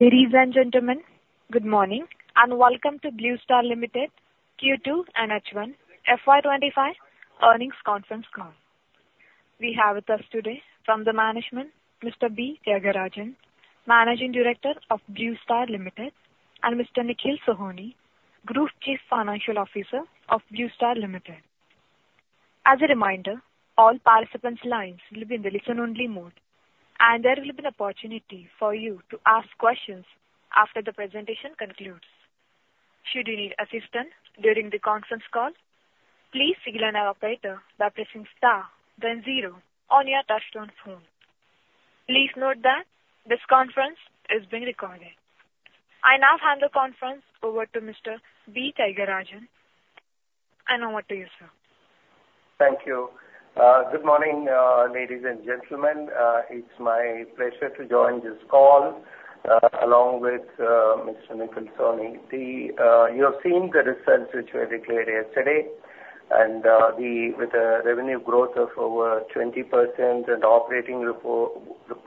Ladies and gentlemen, good morning and welcome to Blue Star Limited Q2 and H1 FY25 earnings conference call. We have with us today from the management, Mr. B. Thiagarajan, Managing Director of Blue Star Limited, and Mr. Nikhil Sohoni, Group Chief Financial Officer of Blue Star Limited. As a reminder, all participants' lines will be in the listen-only mode, and there will be an opportunity for you to ask questions after the presentation concludes. Should you need assistance during the conference call, please signal an operator by pressing star then zero on your touch-tone phone. Please note that this conference is being recorded. I now hand the conference over to Mr. B. Thiagarajan and over to you, sir. Thank you. Good morning, ladies and gentlemen. It's my pleasure to join this call along with Mr. Nikhil Sohoni. You have seen the results which were declared yesterday, and with a revenue growth of over 20% and operating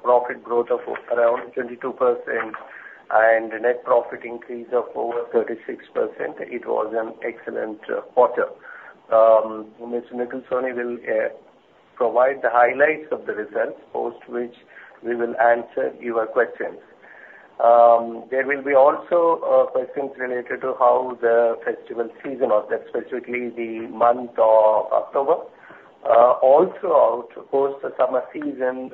profit growth of around 22% and net profit increase of over 36%, it was an excellent quarter. Mr. Nikhil Sohoni will provide the highlights of the results, post which we will answer your questions. There will be also questions related to how the festival season, or specifically the month of October, all throughout post-summer season,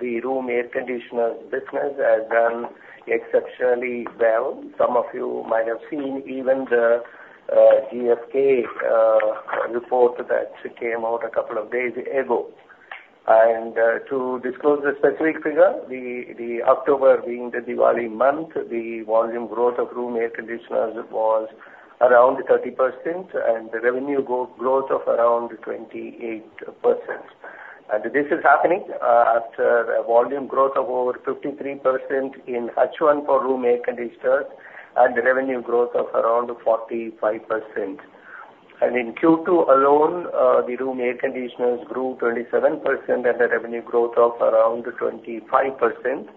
the room air conditioner business has done exceptionally well. Some of you might have seen even the GfK report that came out a couple of days ago. And to disclose the specific figure, the October being the Diwali month, the volume growth of room air conditioners was around 30% and the revenue growth of around 28%. And this is happening after a volume growth of over 53% in H1 for room air conditioners and the revenue growth of around 45%. And in Q2 alone, the room air conditioners grew 27% and the revenue growth of around 25%.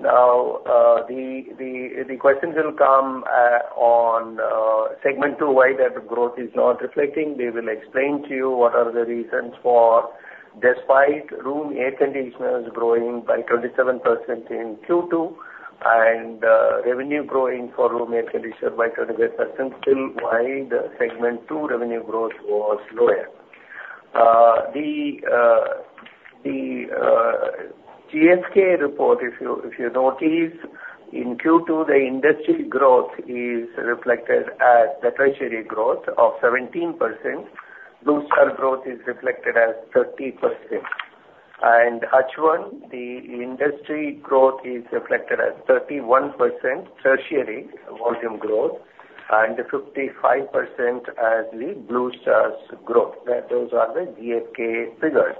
Now, the questions will come on segment two why that growth is not reflecting. They will explain to you what are the reasons for, despite room air conditioners growing by 27% in Q2 and revenue growing for room air conditioners by 25%, still why the segment two revenue growth was lower. The GfK report, if you notice, in Q2, the industry growth is reflected as the tertiary growth of 17%. Blue Star growth is reflected as 30%. And in H1, the industry growth is reflected as 31% tertiary volume growth and 55% as the Blue Star's growth. Those are the GfK figures.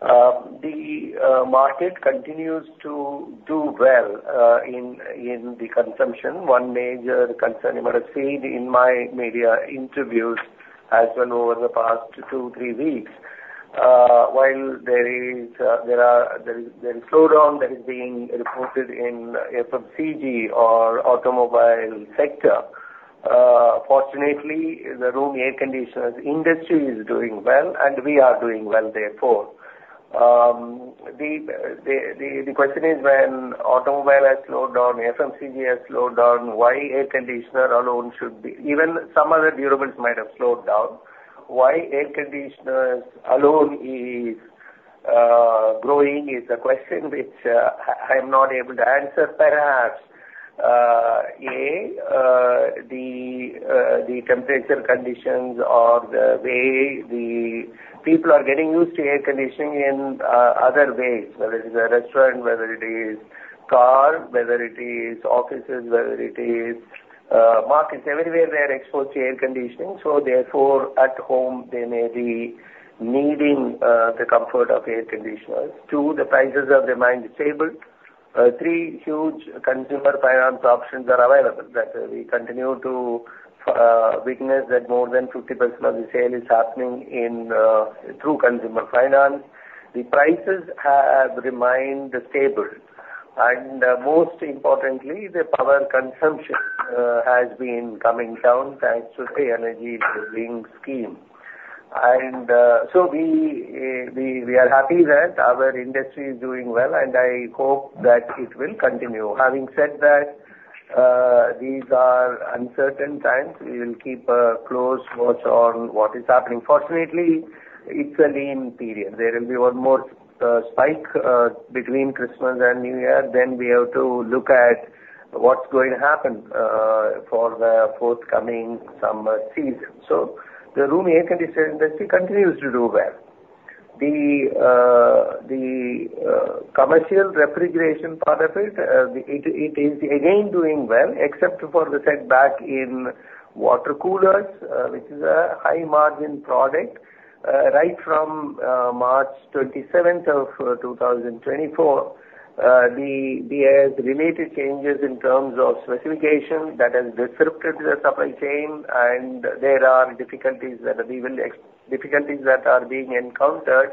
The market continues to do well in the consumption. One major concern, in my media interviews as well over the past two, three weeks, while there is a slowdown that is being reported in FMCG or automobile sector, fortunately, the room air conditioner industry is doing well, and we are doing well, therefore. The question is, when automobile has slowed down, FMCG has slowed down, why air conditioner alone should be, even some other durables might have slowed down, why air conditioners alone is growing is a question which I am not able to answer. Perhaps a, the temperature conditions or the way the people are getting used to air conditioning in other ways, whether it is a restaurant, whether it is car, whether it is offices, whether it is markets, everywhere they are exposed to air conditioning. So therefore, at home, they may be needing the comfort of air conditioners. Two, the prices have remained stable. Three, huge consumer finance options are available. We continue to witness that more than 50% of the sale is happening through consumer finance. The prices have remained stable, and most importantly, the power consumption has been coming down thanks to the energy saving scheme, and so we are happy that our industry is doing well, and I hope that it will continue. Having said that, these are uncertain times. We will keep a close watch on what is happening. Fortunately, it's a lean period. There will be one more spike between Christmas and New Year, then we have to look at what's going to happen for the forthcoming summer season, so the room air conditioning industry continues to do well. The commercial refrigeration part of it, it is again doing well, except for the setback in water coolers, which is a high-margin product. Right from March 27th of 2024, there are related changes in terms of specification that have disrupted the supply chain, and there are difficulties that are being encountered.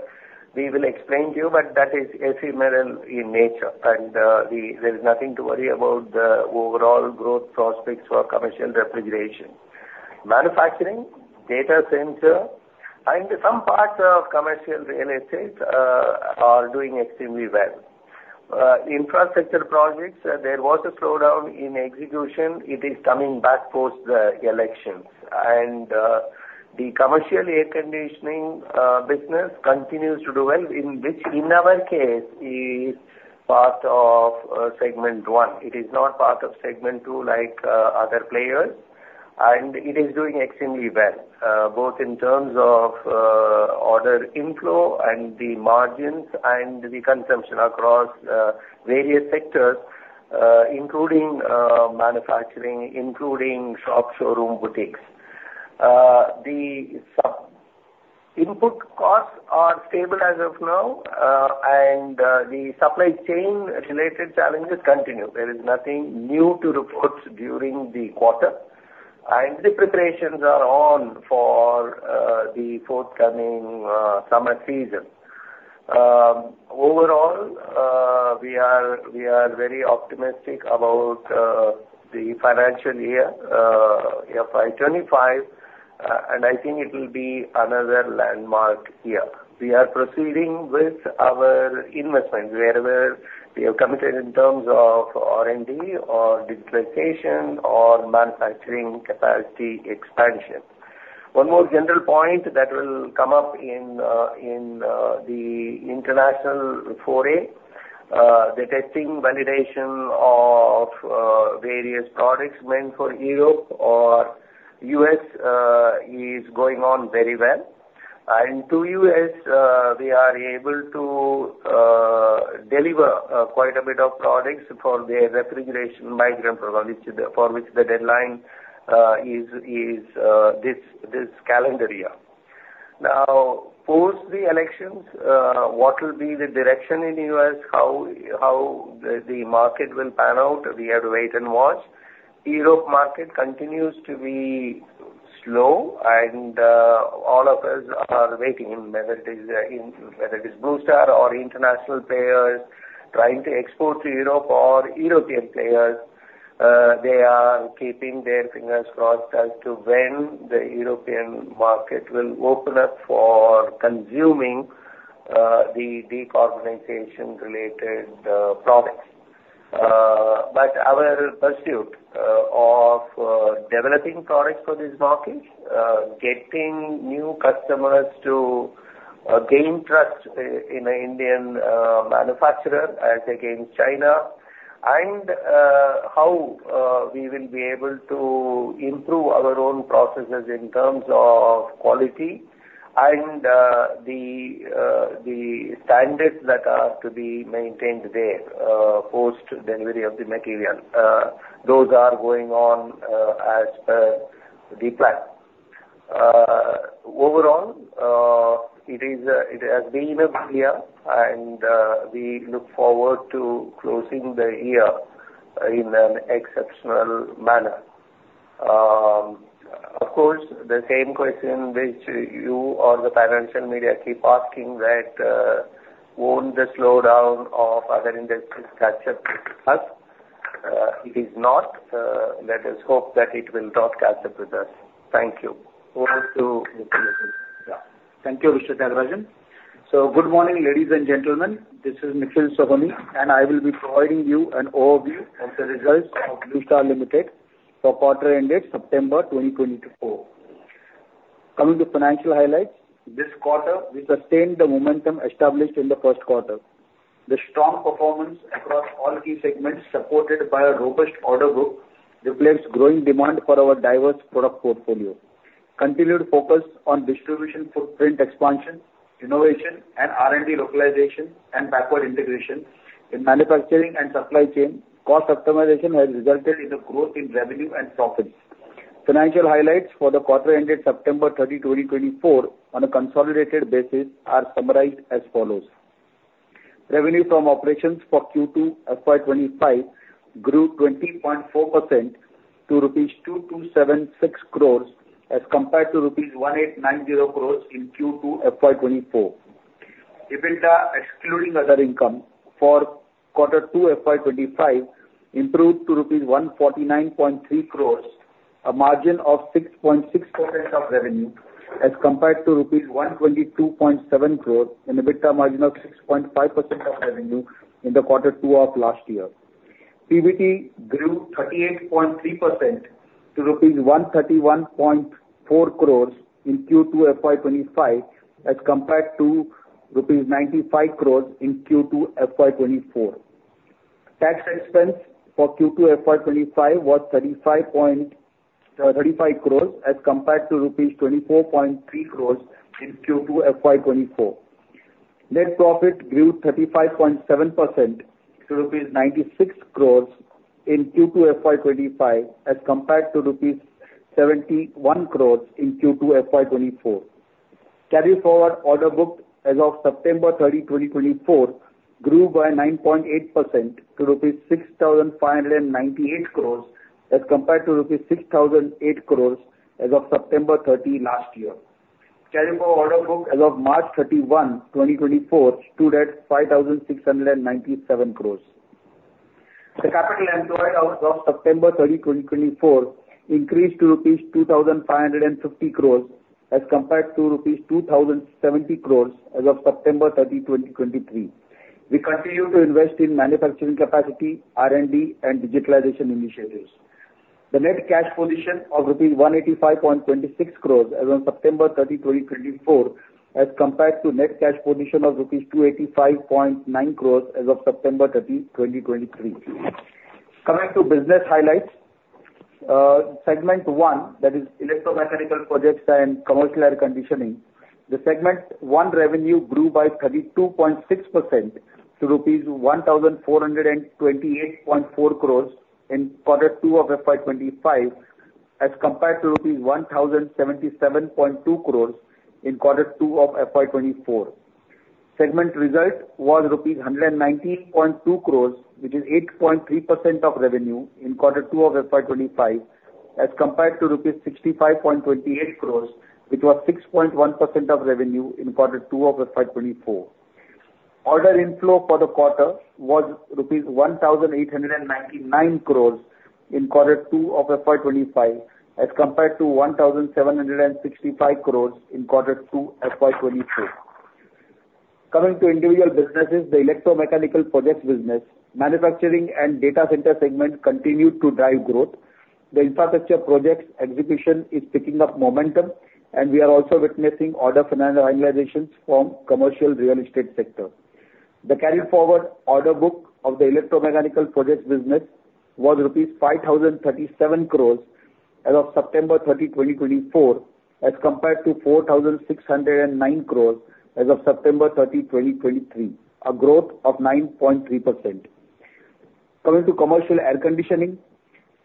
We will explain to you, but that is ephemeral in nature, and there is nothing to worry about the overall growth prospects for commercial refrigeration. Manufacturing, data center, and some parts of commercial real estate are doing extremely well. Infrastructure projects, there was a slowdown in execution. It is coming back post-elections, and the commercial air conditioning business continues to do well, which in our case is part of segment one. It is not part of segment two like other players, and it is doing extremely well, both in terms of order inflow and the margins and the consumption across various sectors, including manufacturing, including shop showroom boutiques. The input costs are stable as of now, and the supply chain-related challenges continue. There is nothing new to report during the quarter, and the preparations are on for the forthcoming summer season. Overall, we are very optimistic about the financial year FY25, and I think it will be another landmark year. We are proceeding with our investment wherever we have committed in terms of R&D or digitalization or manufacturing capacity expansion. One more general point that will come up in the international foray, the testing validation of various products meant for Europe or U.S. is going on very well. And to U.S., we are able to deliver quite a bit of products for their refrigerant migration program, for which the deadline is this calendar year. Now, post the elections, what will be the direction in the U.S.? How the market will pan out, we have to wait and watch. Europe market continues to be slow, and all of us are waiting, whether it is Blue Star or international players trying to export to Europe or European players. They are keeping their fingers crossed as to when the European market will open up for consuming the decarbonization-related products. But our pursuit of developing products for this market, getting new customers to gain trust in an Indian manufacturer as against China, and how we will be able to improve our own processes in terms of quality and the standards that are to be maintained there post-delivery of the material, those are going on as per the plan. Overall, it has been a good year, and we look forward to closing the year in an exceptional manner. Of course, the same question which you or the financial media keep asking, that won't the slowdown of other industries catch up with us? It is not. Let us hope that it will not catch up with us. Thank you. Over to you. Thank you, Mr. Thiagarajan. So good morning, ladies and gentlemen. This is Nikhil Sohoni, and I will be providing you an overview of the results of Blue Star Limited for quarter-ended September 2024. Coming to financial highlights, this quarter, we sustained the momentum established in the first quarter. The strong performance across all key segments, supported by a robust order book, reflects growing demand for our diverse product portfolio. Continued focus on distribution footprint expansion, innovation, and R&D localization and backward integration in manufacturing and supply chain cost optimization has resulted in a growth in revenue and profits. Financial highlights for the quarter-ended September 30, 2024, on a consolidated basis are summarized as follows. Revenue from operations for Q2 FY25 grew 20.4% to rupees 2276 crores as compared to rupees 1890 crores in Q2 FY24. EBITDA, excluding other income, for quarter 2 FY25 improved to rupees 149.3 crores, a margin of 6.6% of revenue as compared to rupees 122.7 crores in EBITDA margin of 6.5% of revenue in the quarter 2 of last year. PBT grew 38.3% to rupees 131.4 crores in Q2 FY25 as compared to rupees 95 crores in Q2 FY24. Tax expense for Q2 FY25 was 35 crores as compared to rupees 24.3 crores in Q2 FY24. Net profit grew 35.7% to rupees 96 crores in Q2 FY25 as compared to rupees 71 crores in Q2 FY24. Carry forward order book as of September 30, 2024, grew by 9.8% to rupees 6,598 crores as compared to rupees 6,008 crores as of September 30, last year. Carry forward order book as of March 31, 2024, stood at 5,697 crores. The capital employed as of September 30, 2024, increased to rupees 2,550 crores as compared to rupees 2,070 crores as of September 30, 2023. We continue to invest in manufacturing capacity, R&D, and digitalization initiatives. The net cash position of rupees 185.26 crores as of September 30, 2024, as compared to net cash position of rupees 285.9 crores as of September 30, 2023. Coming to business highlights, segment one that is electromechanical projects and commercial air conditioning, the segment one revenue grew by 32.6% to rupees 1,428.4 crores in quarter 2 of FY25 as compared to rupees 1,077.2 crores in quarter 2 of FY24. Segment result was rupees 119.2 crores, which is 8.3% of revenue in quarter 2 of FY25 as compared to INR 65.28 crores, which was 6.1% of revenue in quarter 2 of FY24. Order inflow for the quarter was rupees 1,899 crores in quarter 2 of FY25 as compared to 1,765 crores in quarter 2 FY24. Coming to individual businesses, the electromechanical projects business, manufacturing and data center segment continued to drive growth. The infrastructure projects execution is picking up momentum, and we are also witnessing order finalizations from commercial real estate sector. The carried forward order book of the electromechanical projects business was rupees 5,037 crores as of September 30, 2024, as compared to 4,609 crores as of September 30, 2023, a growth of 9.3%. Coming to commercial air conditioning,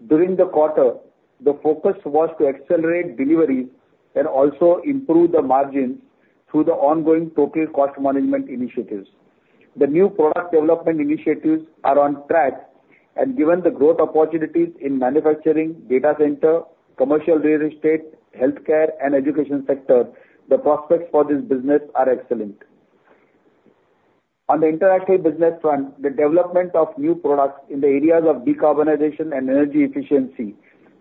during the quarter, the focus was to accelerate deliveries and also improve the margins through the ongoing total cost management initiatives. The new product development initiatives are on track, and given the growth opportunities in manufacturing, data center, commercial real estate, healthcare, and education sector, the prospects for this business are excellent. On the international business front, the development of new products in the areas of decarbonization and energy efficiency,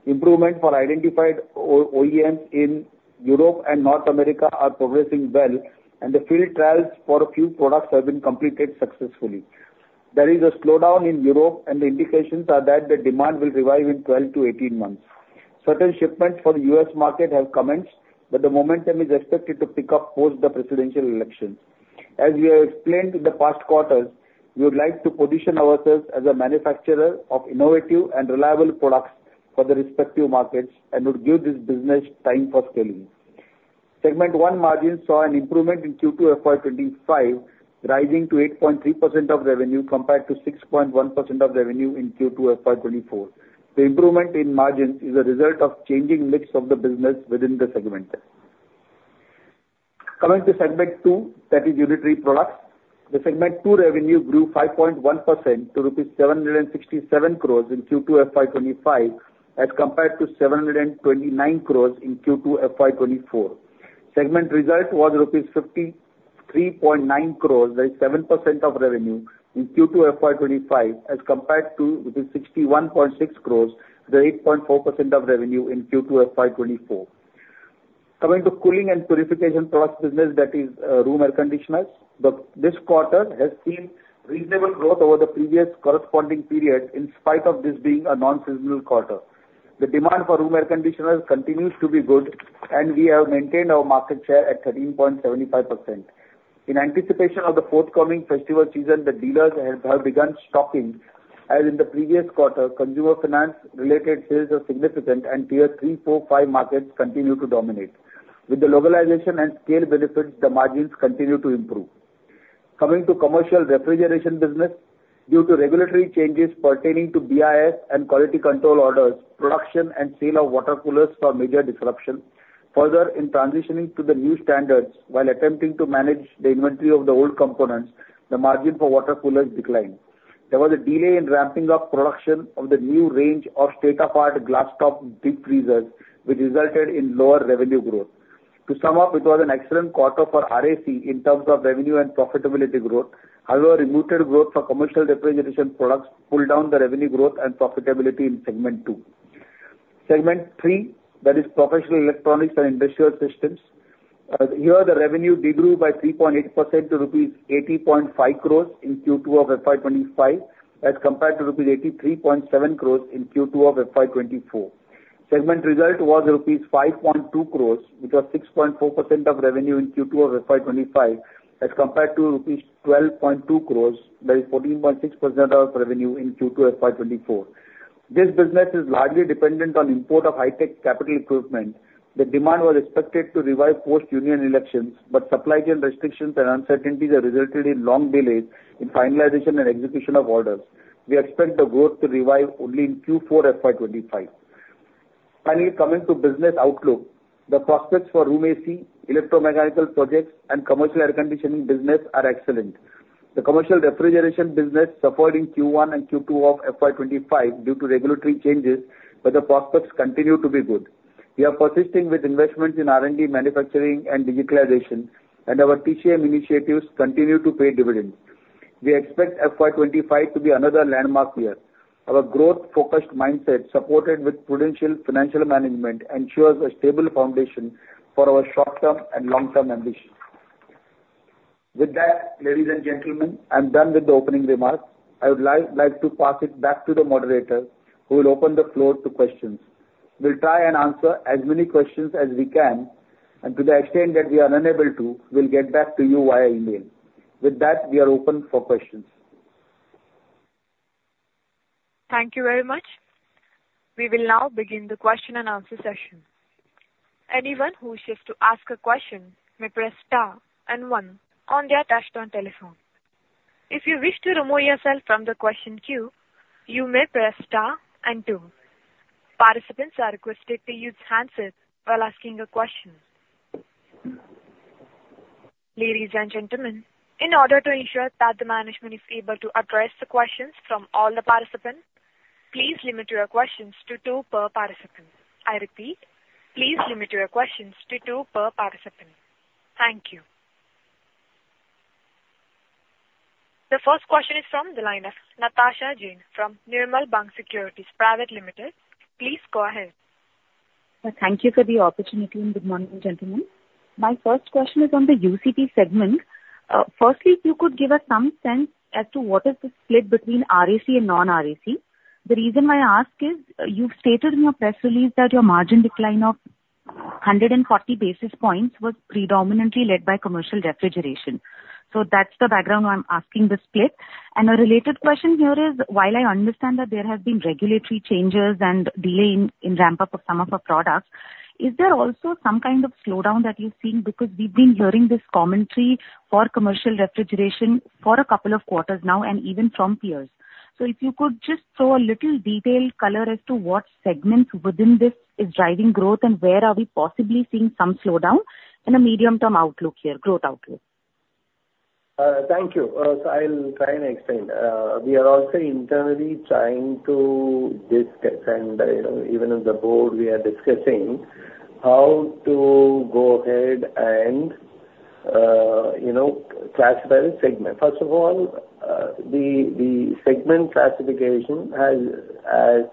improvement for identified OEMs in Europe and North America are progressing well, and the field trials for a few products have been completed successfully. There is a slowdown in Europe, and the indications are that the demand will revive in 12 to 18 months. Certain shipments for the U.S. market have commenced, but the momentum is expected to pick up post the presidential election. As we have explained in the past quarters, we would like to position ourselves as a manufacturer of innovative and reliable products for the respective markets and would give this business time for scaling. Segment one margins saw an improvement in Q2 FY25, rising to 8.3% of revenue compared to 6.1% of revenue in Q2 FY24. The improvement in margins is a result of changing mix of the business within the segment. Coming to segment two, that is unitary products, the segment two revenue grew 5.1% to rupees 767 crores in Q2 FY25 as compared to 729 crores in Q2 FY24. Segment result was rupees 53.9 crores, that is 7% of revenue in Q2 FY25 as compared to rupees 61.6 crores, that is 8.4% of revenue in Q2 FY24. Coming to cooling and purification products business, that is room air conditioners, this quarter has seen reasonable growth over the previous corresponding period in spite of this being a non-seasonal quarter. The demand for room air conditioners continues to be good, and we have maintained our market share at 13.75%. In anticipation of the forthcoming festival season, the dealers have begun stocking, as in the previous quarter, consumer finance-related sales are significant, and tier three, four, five markets continue to dominate. With the localization and scale benefits, the margins continue to improve. Coming to commercial refrigeration business, due to regulatory changes pertaining to BIS and quality control orders, production and sale of water coolers saw major disruption. Further, in transitioning to the new standards, while attempting to manage the inventory of the old components, the margin for water coolers declined. There was a delay in ramping up production of the new range of state-of-the-art glass top deep freezers, which resulted in lower revenue growth. To sum up, it was an excellent quarter for RAC in terms of revenue and profitability growth. However, muted growth for commercial refrigeration products pulled down the revenue growth and profitability in segment two. Segment three, that is professional electronics and industrial systems, here the revenue did grow by 3.8% to rupees 80.5 crores in Q2 of FY25 as compared to rupees 83.7 crores in Q2 of FY24. Segment result was rupees 5.2 crores, which was 6.4% of revenue in Q2 of FY25 as compared to rupees 12.2 crores, that is 14.6% of revenue in Q2 FY24. This business is largely dependent on import of high-tech capital equipment. The demand was expected to revive post-Union elections, but supply chain restrictions and uncertainties have resulted in long delays in finalization and execution of orders. We expect the growth to revive only in Q4 FY25. Finally, coming to business outlook, the prospects for room AC, electromechanical projects, and commercial air conditioning business are excellent. The commercial refrigeration business suffered in Q1 and Q2 of FY25 due to regulatory changes, but the prospects continue to be good. We are persisting with investments in R&D, manufacturing, and digitalization, and our TCM initiatives continue to pay dividends. We expect FY25 to be another landmark year. Our growth-focused mindset, supported with prudential financial management, ensures a stable foundation for our short-term and long-term ambitions. With that, ladies and gentlemen, I'm done with the opening remarks. I would like to pass it back to the moderator, who will open the floor to questions. We'll try and answer as many questions as we can, and to the extent that we are unable to, we'll get back to you via email. With that, we are open for questions. Thank you very much. We will now begin the question and answer session. Anyone who wishes to ask a question may press star and one on the attached telephone. If you wish to remove yourself from the question queue, you may press star and two. Participants are requested to use handsets while asking a question. Ladies and gentlemen, in order to ensure that the management is able to address the questions from all the participants, please limit your questions to two per participant. I repeat, please limit your questions to two per participant. Thank you. The first question is from the line of Natasha Jain from Nirmal Bang Securities Private Limited. Please go ahead. Thank you for the opportunity and good morning, gentlemen. My first question is on the UCP segment. Firstly, if you could give us some sense as to what is the split between RAC and non-RAC? The reason why I ask is you've stated in your press release that your margin decline of 140 basis points was predominantly led by commercial refrigeration. So that's the background why I'm asking the split. And a related question here is, while I understand that there have been regulatory changes and delay in ramp-up of some of our products, is there also some kind of slowdown that you're seeing? Because we've been hearing this commentary for commercial refrigeration for a couple of quarters now and even from peers. So if you could just throw a little detailed color as to what segments within this is driving growth and where are we possibly seeing some slowdown in a medium-term outlook here, growth outlook? Thank you. So I'll try and explain. We are also internally trying to discuss, and even on the board, we are discussing how to go ahead and classify the segment. First of all, the segment classification has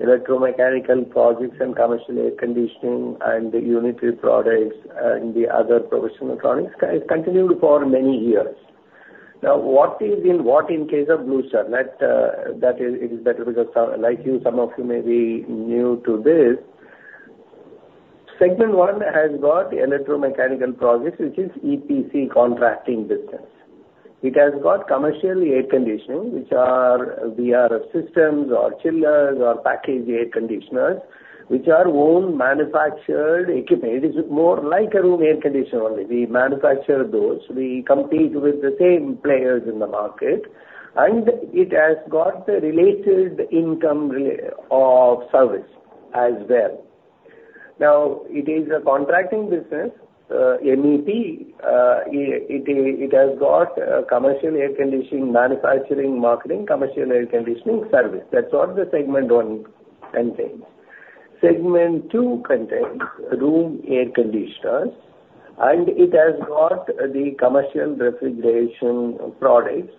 electromechanical projects and commercial air conditioning and the unitary products and the other professional products continued for many years. Now, what is in what in case of Blue Star? That is better because, like you, some of you may be new to this. Segment one has got electromechanical projects, which is EPC contracting business. It has got commercial air conditioning, which are VRF systems or chillers or package air conditioners, which are our own manufactured equipment. It is more like a room air conditioner only. We manufacture those. We compete with the same players in the market, and it has got the related service income as well. Now, it is a contracting business, MEP. It has got commercial air conditioning manufacturing, marketing, commercial air conditioning service. That's what the segment one contains. Segment two contains room air conditioners, and it has got the commercial refrigeration products.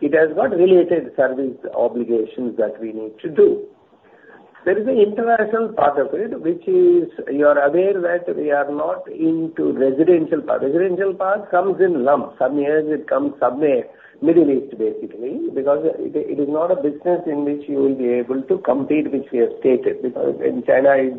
It has got related service obligations that we need to do. There is an international part of it, which is you are aware that we are not into residential part. Residential part comes in lump. Some years it comes some way, Middle East, basically, because it is not a business in which you will be able to compete, which we have stated. Because when China is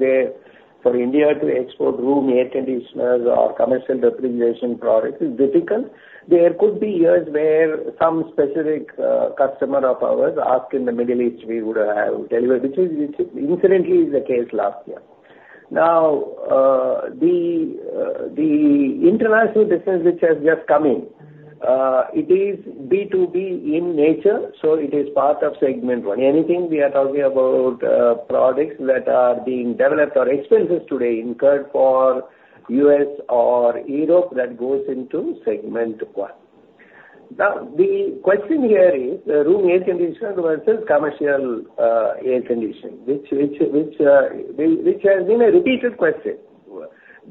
there for India to export room air conditioners or commercial refrigeration products is difficult. There could be years where some specific customer of ours asked in the Middle East we would have delivered, which incidentally is the case last year. Now, the international business, which has just come in, it is B2B in nature, so it is part of segment one. Anything we are talking about products that are being developed or expenses today incurred for US or Europe that goes into segment one. Now, the question here is room air conditioner versus commercial air conditioning, which has been a repeated question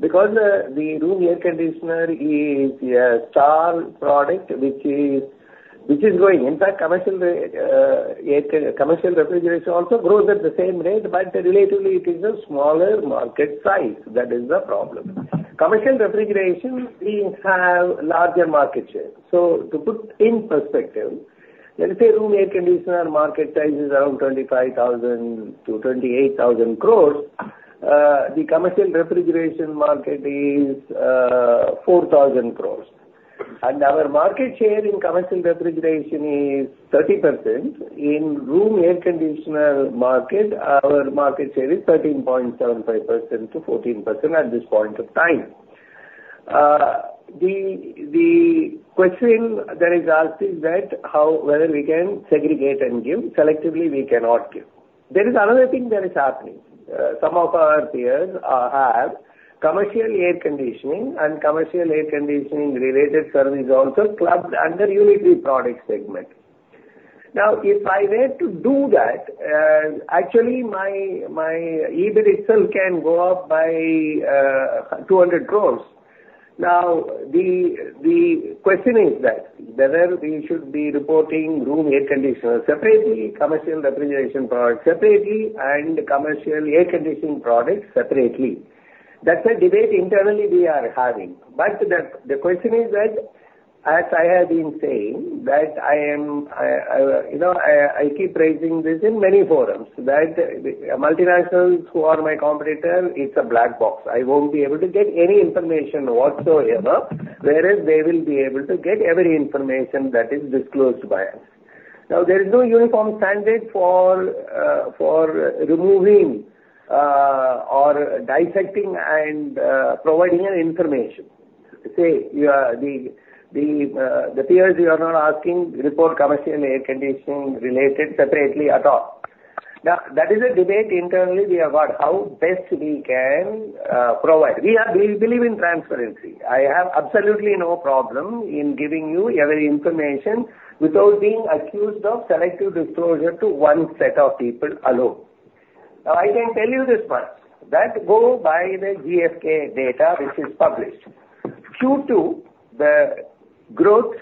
because the room air conditioner is a star product which is going. In fact, commercial refrigeration also grows at the same rate, but relatively it is a smaller market size. That is the problem. Commercial refrigeration, we have larger market share. So to put in perspective, let's say room air conditioner market size is around 25,000-28,000 crores. The commercial refrigeration market is 4,000 crores. And our market share in commercial refrigeration is 30%. In room air conditioner market, our market share is 13.75%-14% at this point of time. The question that is asked is that whether we can segregate and give. Selectively, we cannot give. There is another thing that is happening. Some of our peers have commercial air conditioning and commercial air conditioning related service also clubbed under unitary product segment. Now, if I were to do that, actually my EBIT itself can go up by 200 crores. Now, the question is that whether we should be reporting room air conditioner separately, commercial refrigeration product separately, and commercial air conditioning product separately. That's a debate internally we are having. But the question is that, as I have been saying, that I keep raising this in many forums, that multinationals who are my competitor, it's a black box. I won't be able to get any information whatsoever, whereas they will be able to get every information that is disclosed by us. Now, there is no uniform standard for removing or dissecting and providing information. Say the peers you are not asking report commercial air conditioning related separately at all. Now, that is a debate internally we have got how best we can provide. We believe in transparency. I have absolutely no problem in giving you every information without being accused of selective disclosure to one set of people alone. Now, I can tell you this much, that go by the GfK data which is published. Q2, the growth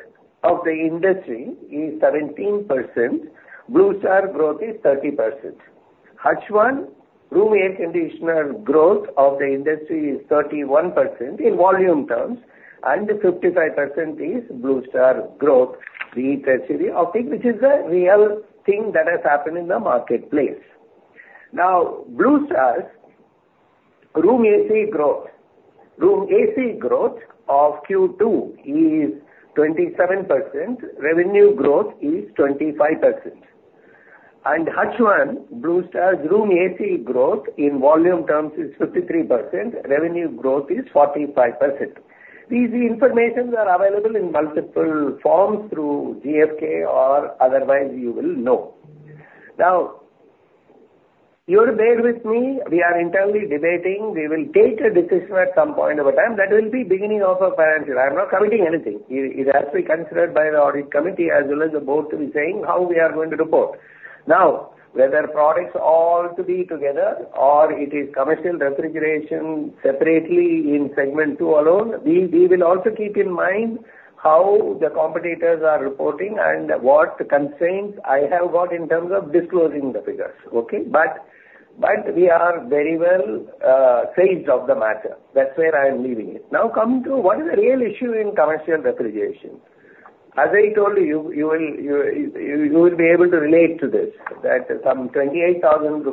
of the industry is 17%. Blue Star growth is 30%. H1, room air conditioner growth of the industry is 31% in volume terms, and 55% is Blue Star growth, the tertiary offtake, which is a real thing that has happened in the marketplace. Now, Blue Star's room AC growth. Room AC growth of Q2 is 27%. Revenue growth is 25%. And H1, Blue Star's room AC growth in volume terms is 53%. Revenue growth is 45%. This information is available in multiple forms through GfK, or otherwise you will know. Now, you'll bear with me. We are internally debating. We will take a decision at some point of a time. That will be beginning of a financial. I'm not committing anything. It has to be considered by the audit committee as well as the board to be saying how we are going to report. Now, whether products all to be together or it is commercial refrigeration separately in segment two alone, we will also keep in mind how the competitors are reporting and what constraints I have got in terms of disclosing the figures. Okay? But we are very well aware of the matter. That's where I'm leaving it. Now, coming to what is the real issue in commercial refrigeration? As I told you, you will be able to relate to this, that some 28,000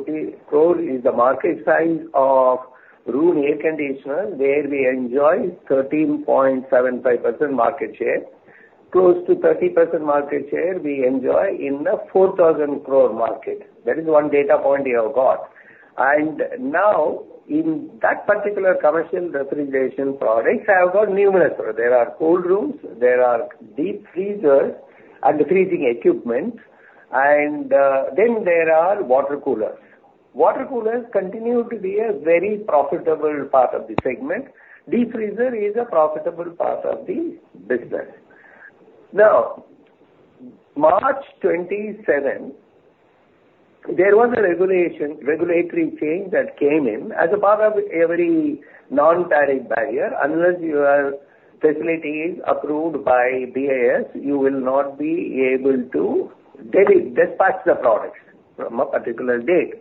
crore rupee is the market size of room air conditioner, where we enjoy 13.75% market share, close to 30% market share we enjoy in the 4,000 crore market. That is one data point you have got. And now, in that particular commercial refrigeration products, I have got numerous. There are cold rooms. There are deep freezers and freezing equipment. And then there are water coolers. Water coolers continue to be a very profitable part of the segment. Deep freezer is a profitable part of the business. Now, March 27, there was a regulatory change that came in as a part of a very non-tariff barrier. Unless your facility is approved by BIS, you will not be able to dispatch the products from a particular date.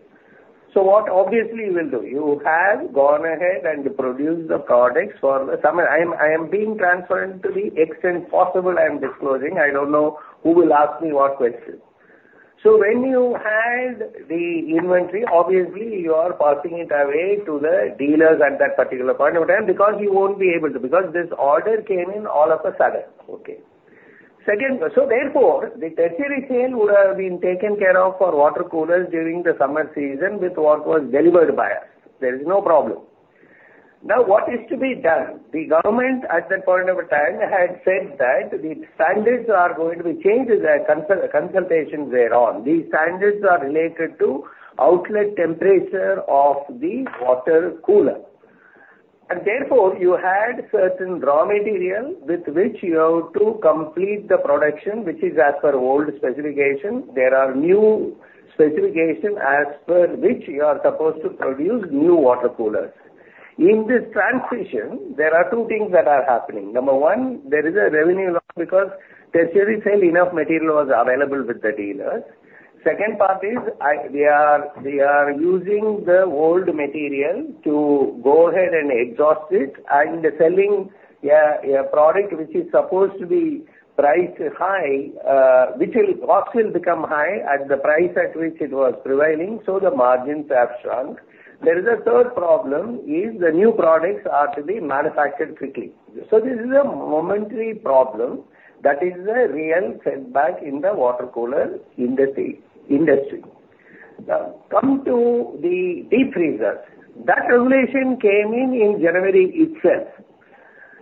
So what obviously you will do, you have gone ahead and produced the products for the summer. I am being transparent to the extent possible. I am disclosing. I don't know who will ask me what questions. So when you had the inventory, obviously you are passing it away to the dealers at that particular point of time because you won't be able to because this order came in all of a sudden. Okay? So therefore, the tertiary sale would have been taken care of for water coolers during the summer season with what was delivered by us. There is no problem. Now, what is to be done? The government at that point of time had said that the standards are going to be changed in their consultation thereon. These standards are related to outlet temperature of the water cooler. And therefore, you had certain raw material with which you have to complete the production, which is as per old specification. There are new specifications as per which you are supposed to produce new water coolers. In this transition, there are two things that are happening. Number one, there is a revenue loss because tertiary sale enough material was available with the dealers. Second part is they are using the old material to go ahead and exhaust it and selling a product which is supposed to be priced high, which will become high at the price at which it was prevailing. So the margins have shrunk. There is a third problem is the new products are to be manufactured quickly. So this is a momentary problem that is a real setback in the water cooler industry. Now, come to the deep freezers. That regulation came in in January itself.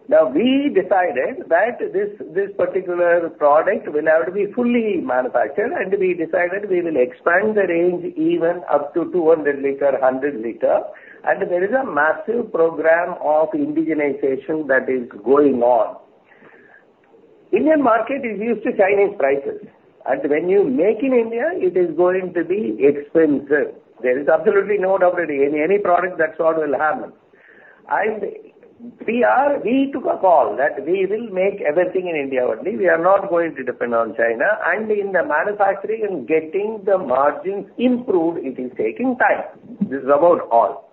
Now, we decided that this particular product will have to be fully manufactured, and we decided we will expand the range even up to 200 liter, 100 liter. And there is a massive program of indigenization that is going on. Indian market is used to Chinese prices. And when you make in India, it is going to be expensive. There is absolutely no doubt in any product that sort will happen, and we took a call that we will make everything in India only. We are not going to depend on China, and in the manufacturing and getting the margins improved, it is taking time. This is about all.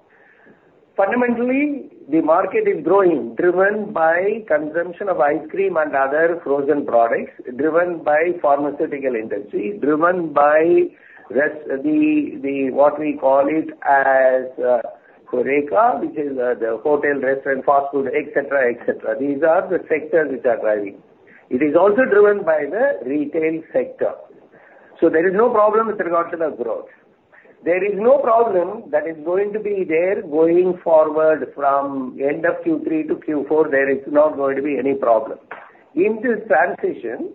Fundamentally, the market is growing driven by consumption of ice cream and other frozen products, driven by pharmaceutical industry, driven by what we call it as HoReCa, which is the hotel, restaurant, fast food, etc., etc. These are the sectors which are driving. It is also driven by the retail sector, so there is no problem with regard to the growth. There is no problem that is going to be there going forward from end of Q3 to Q4. There is not going to be any problem. In this transition,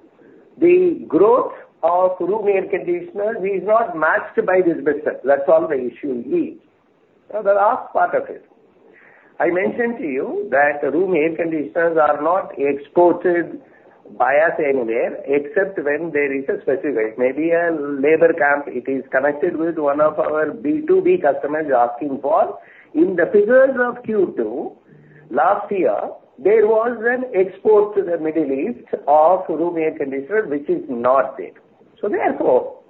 the growth of room air conditioners is not matched by this business. That's all the issue is. Now, the last part of it. I mentioned to you that room air conditioners are not exported by us anywhere except when there is a specific, maybe a labor camp. It is connected with one of our B2B customers asking for. In the figures of Q2 last year, there was an export to the Middle East of room air conditioner, which is not there. So therefore,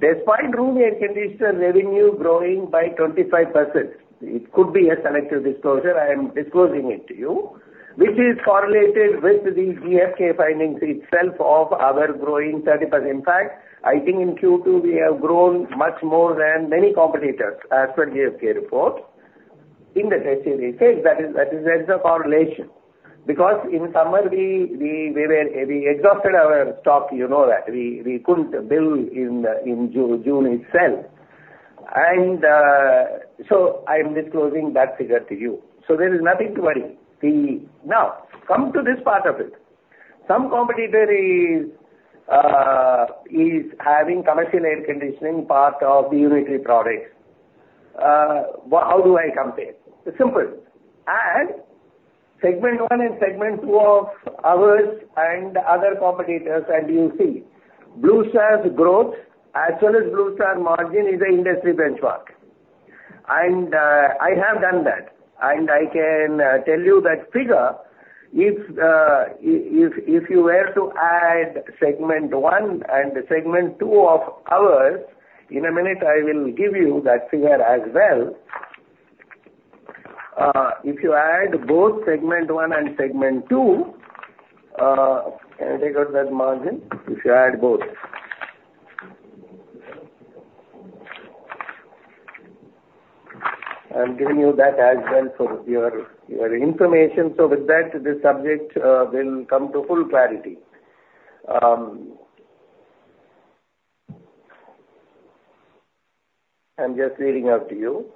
despite room air conditioner revenue growing by 25%, it could be a selective disclosure. I am disclosing it to you, which is correlated with the GfK findings itself of our growing 30%. In fact, I think in Q2 we have grown much more than many competitors as per GfK report. In the tertiary sale, that is a correlation because in summer, we exhausted our stock. You know that we couldn't build in June itself. And so I am disclosing that figure to you. So there is nothing to worry. Now, come to this part of it. Some competitor is having commercial air conditioning part of the unitary products. How do I compare? Simple. Add segment one and segment two of ours and other competitors, and you'll see Blue Star's growth as well as Blue Star margin is an industry benchmark. And I have done that. And I can tell you that figure if you were to add segment one and segment two of ours. In a minute, I will give you that figure as well. If you add both segment one and segment two, can I take out that margin? If you add both, I'm giving you that as well for your information. So with that, this subject will come to full clarity. I'm just reading out to you.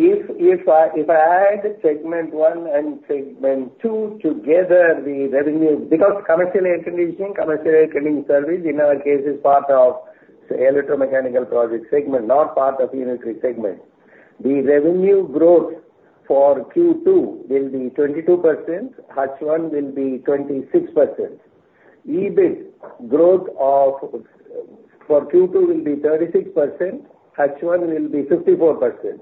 If I add segment one and segment two together, the revenue because commercial air conditioning, commercial refrigeration service in our case is part of electromechanical projects segment, not part of unitary segment. The revenue growth for Q2 will be 22%. H1 will be 26%. EBIT growth for Q2 will be 36%. H1 will be 54%.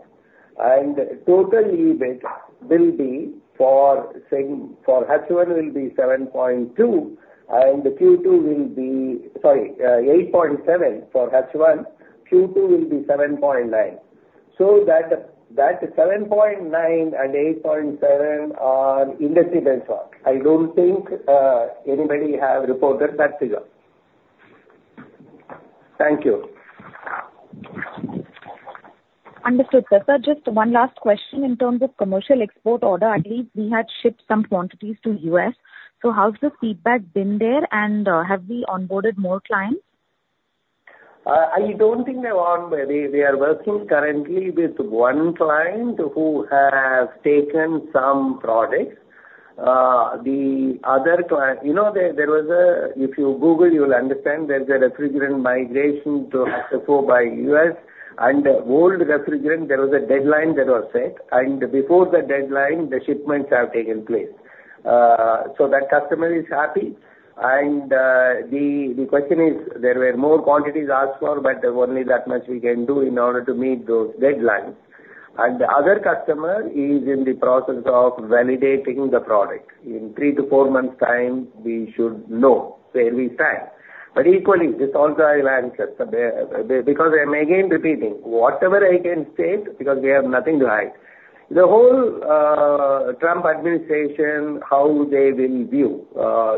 And total EBIT will be for H1 will be 7.2%, and Q2 will be sorry, 8.7% for H1. Q2 will be 7.9%. So that 7.9% and 8.7% are industry benchmark. I don't think anybody has reported that figure. Thank you. Understood. Sir, just one last question. In terms of commercial export order, I believe we had shipped some quantities to the U.S. How's the feedback been there, and have we onboarded more clients? I don't think they are onboarded. We are working currently with one client who has taken some products. The other client, there was, if you Google, you'll understand there's a refrigerant migration to have to go by U.S. Old refrigerant, there was a deadline that was set, and before the deadline, the shipments have taken place. So that customer is happy. The question is, there were more quantities asked for, but there's only that much we can do in order to meet those deadlines. The other customer is in the process of validating the product. In three to four months' time, we should know where we stand. But equally, this also I will answer because I'm again repeating whatever I can state because we have nothing to hide. The whole Trump administration, how they will view,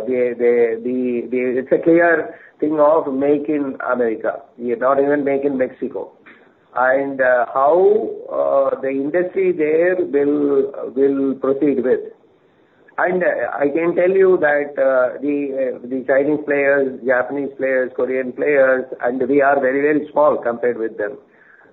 it's a clear thing of making America. We are not even making Mexico. And how the industry there will proceed with. And I can tell you that the Chinese players, Japanese players, Korean players, and we are very, very small compared with them.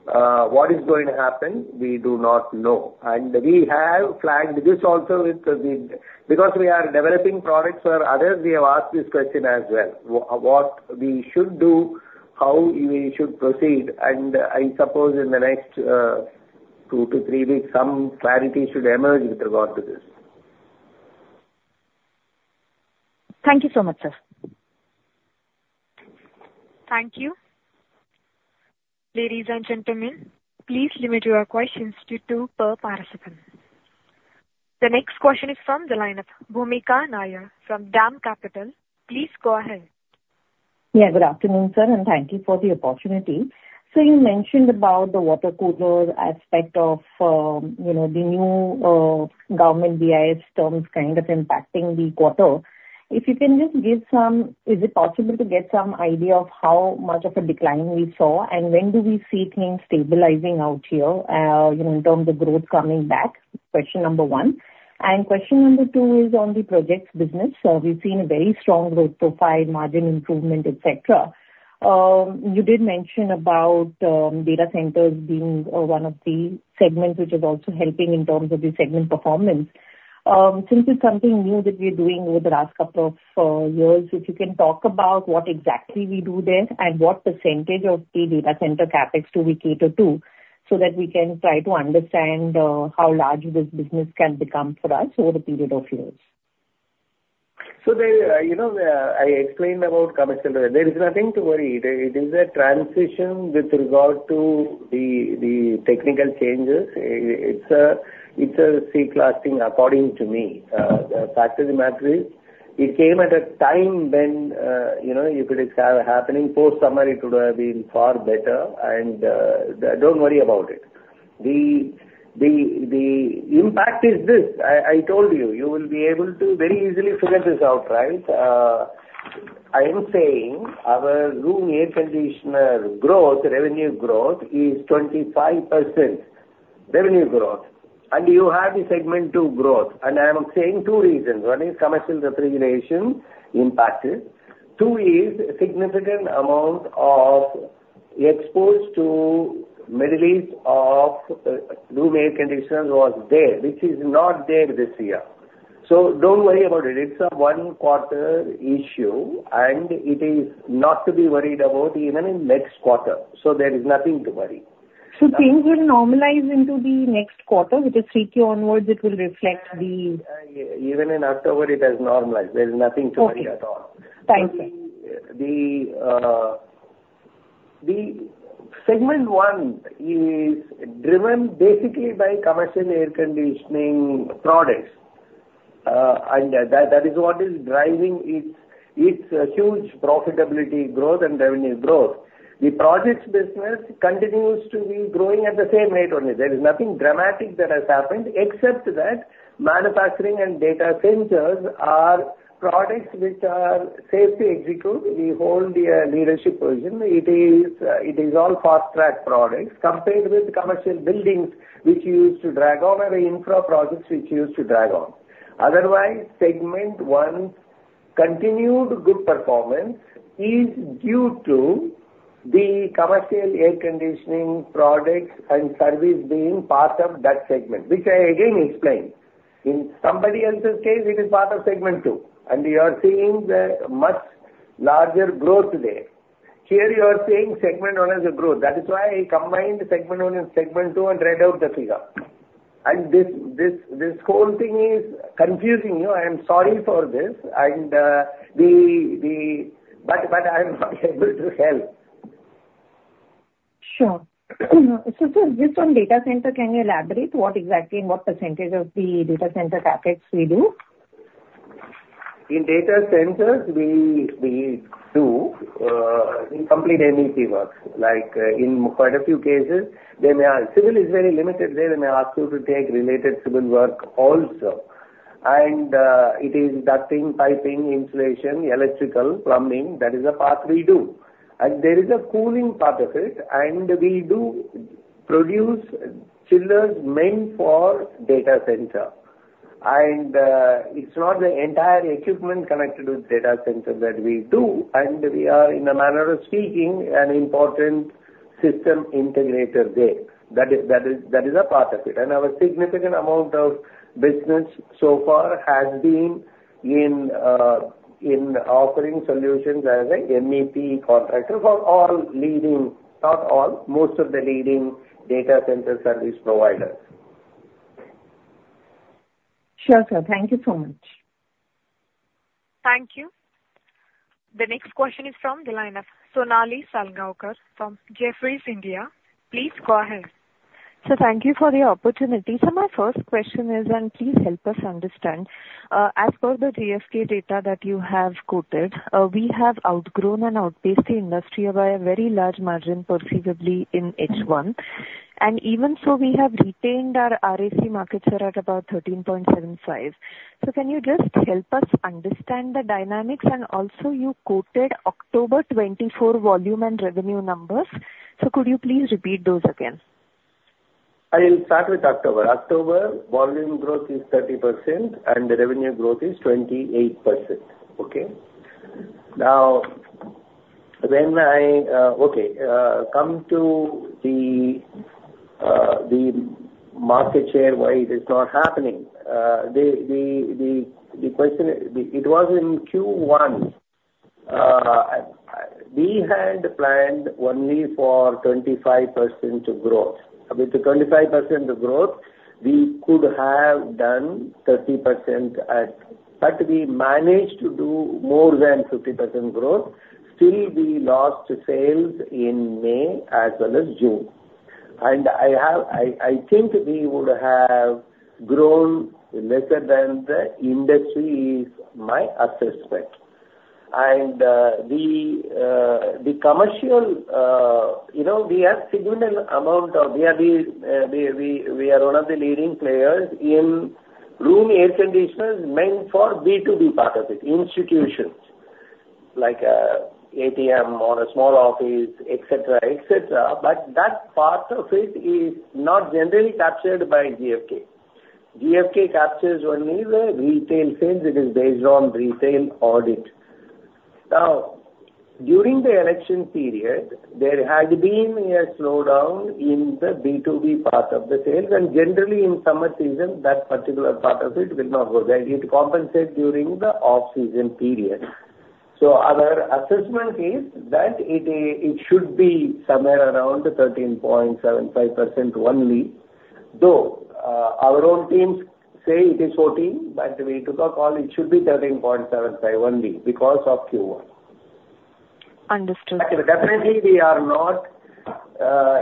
What is going to happen? We do not know. And we have flagged this also because we are developing products for others. We have asked this question as well, what we should do, how we should proceed. And I suppose in the next two to three weeks, some clarity should emerge with regard to this. Thank you so much, sir. Thank you. Ladies and gentlemen, please limit your questions to two per participant. The next question is from the lineup. Bhoomika Nair from DAM Capital. Please go ahead. Yeah, good afternoon, sir, and thank you for the opportunity. So you mentioned about the water cooler aspect of the new government BIS terms kind of impacting the quarter. If you can just give some, is it possible to get some idea of how much of a decline we saw, and when do we see things stabilizing out here in terms of growth coming back? Question number one. And question number two is on the projects business. We've seen a very strong growth profile, margin improvement, etc. You did mention about data centers being one of the segments which is also helping in terms of the segment performance. Since it's something new that we're doing over the last couple of years, if you can talk about what exactly we do there and what percentage of the data center CapEx do we cater to so that we can try to understand how large this business can become for us over the period of years? So I explained about commercial. There is nothing to worry. It is a transition with regard to the technical changes. It's a C-class thing according to me. The fact of the matter is it came at a time when you could have happening post-summer. It would have been far better. And don't worry about it. The impact is this. I told you, you will be able to very easily figure this out, right? I am saying our room air conditioner revenue growth is 25% revenue growth. And you have the segment two growth. I am saying two reasons. One is commercial refrigeration impacted. Two is significant amount of exports to Middle East of room air conditioners was there, which is not there this year. So don't worry about it. It's a one-quarter issue, and it is not to be worried about even in next quarter. So there is nothing to worry. So things will normalize into the next quarter, which is Q3 onwards. It will reflect the. Even in October, it has normalized. There is nothing to worry at all. Thank you. The segment one is driven basically by commercial air conditioning products. And that is what is driving its huge profitability growth and revenue growth. The projects business continues to be growing at the same rate only. There is nothing dramatic that has happened except that manufacturing and data centers are products which are safe to execute. We hold the leadership position. It is all fast-track products compared with commercial buildings which used to drag on or infra projects which used to drag on. Otherwise, segment one's continued good performance is due to the commercial air conditioning products and service being part of that segment, which I again explained. In somebody else's case, it is part of segment two and you are seeing the much larger growth there. Here you are seeing segment one as a growth. That is why I combined segment one and segment two and read out the figure and this whole thing is confusing you. I am sorry for this, but I am not able to help. Sure, so just on data center, can you elaborate what exactly and what percentage of the data center CapEx we do? In data centers, we do incomplete MEP work. In quite a few cases, civil is very limited there. They may ask you to take related civil work also, and it is ducting, piping, insulation, electrical, plumbing. That is a part we do, and there is a cooling part of it. We do produce chillers meant for data center. It's not the entire equipment connected with data center that we do. We are, in a manner of speaking, an important system integrator there. That is a part of it, and our significant amount of business so far has been in offering solutions as an MEP contractor for all leading, not all, most of the leading data center service providers. Sure, sir. Thank you so much. Thank you. The next question is from the line. Sonali Salgaonkar from Jefferies India. Please go ahead. Sir, thank you for the opportunity. So my first question is, and please help us understand. As per the GfK data that you have quoted, we have outgrown and outpaced the industry by a very large margin, perceivably in H1. And even so, we have retained our RAC market share at about 13.75%. So can you just help us understand the dynamics? And also, you quoted October 2024 volume and revenue numbers. So could you please repeat those again? I will start with October. October volume growth is 30%, and the revenue growth is 28%. Okay? Now, when I come to the market share why it is not happening. The question is, it was in Q1. We had planned only for 25% growth. With the 25% growth, we could have done 30%. But we managed to do more than 50% growth. Still, we lost sales in May as well as June. I think we would have grown lesser than the industry, my assessment. The commercial, we have significant amount of we are one of the leading players in room air conditioners meant for B2B part of it, institutions like ATM or a small office, etc., etc. But that part of it is not generally captured by GfK. GfK captures only the retail sales. It is based on retail audit. Now, during the election period, there had been a slowdown in the B2B part of the sales. Generally, in summer season, that particular part of it will not go. They need to compensate during the off-season period. Our assessment is that it should be somewhere around 13.75% only. Though our own teams say it is 14, but we took a call. It should be 13.75 only because of Q1. But definitely, we are not.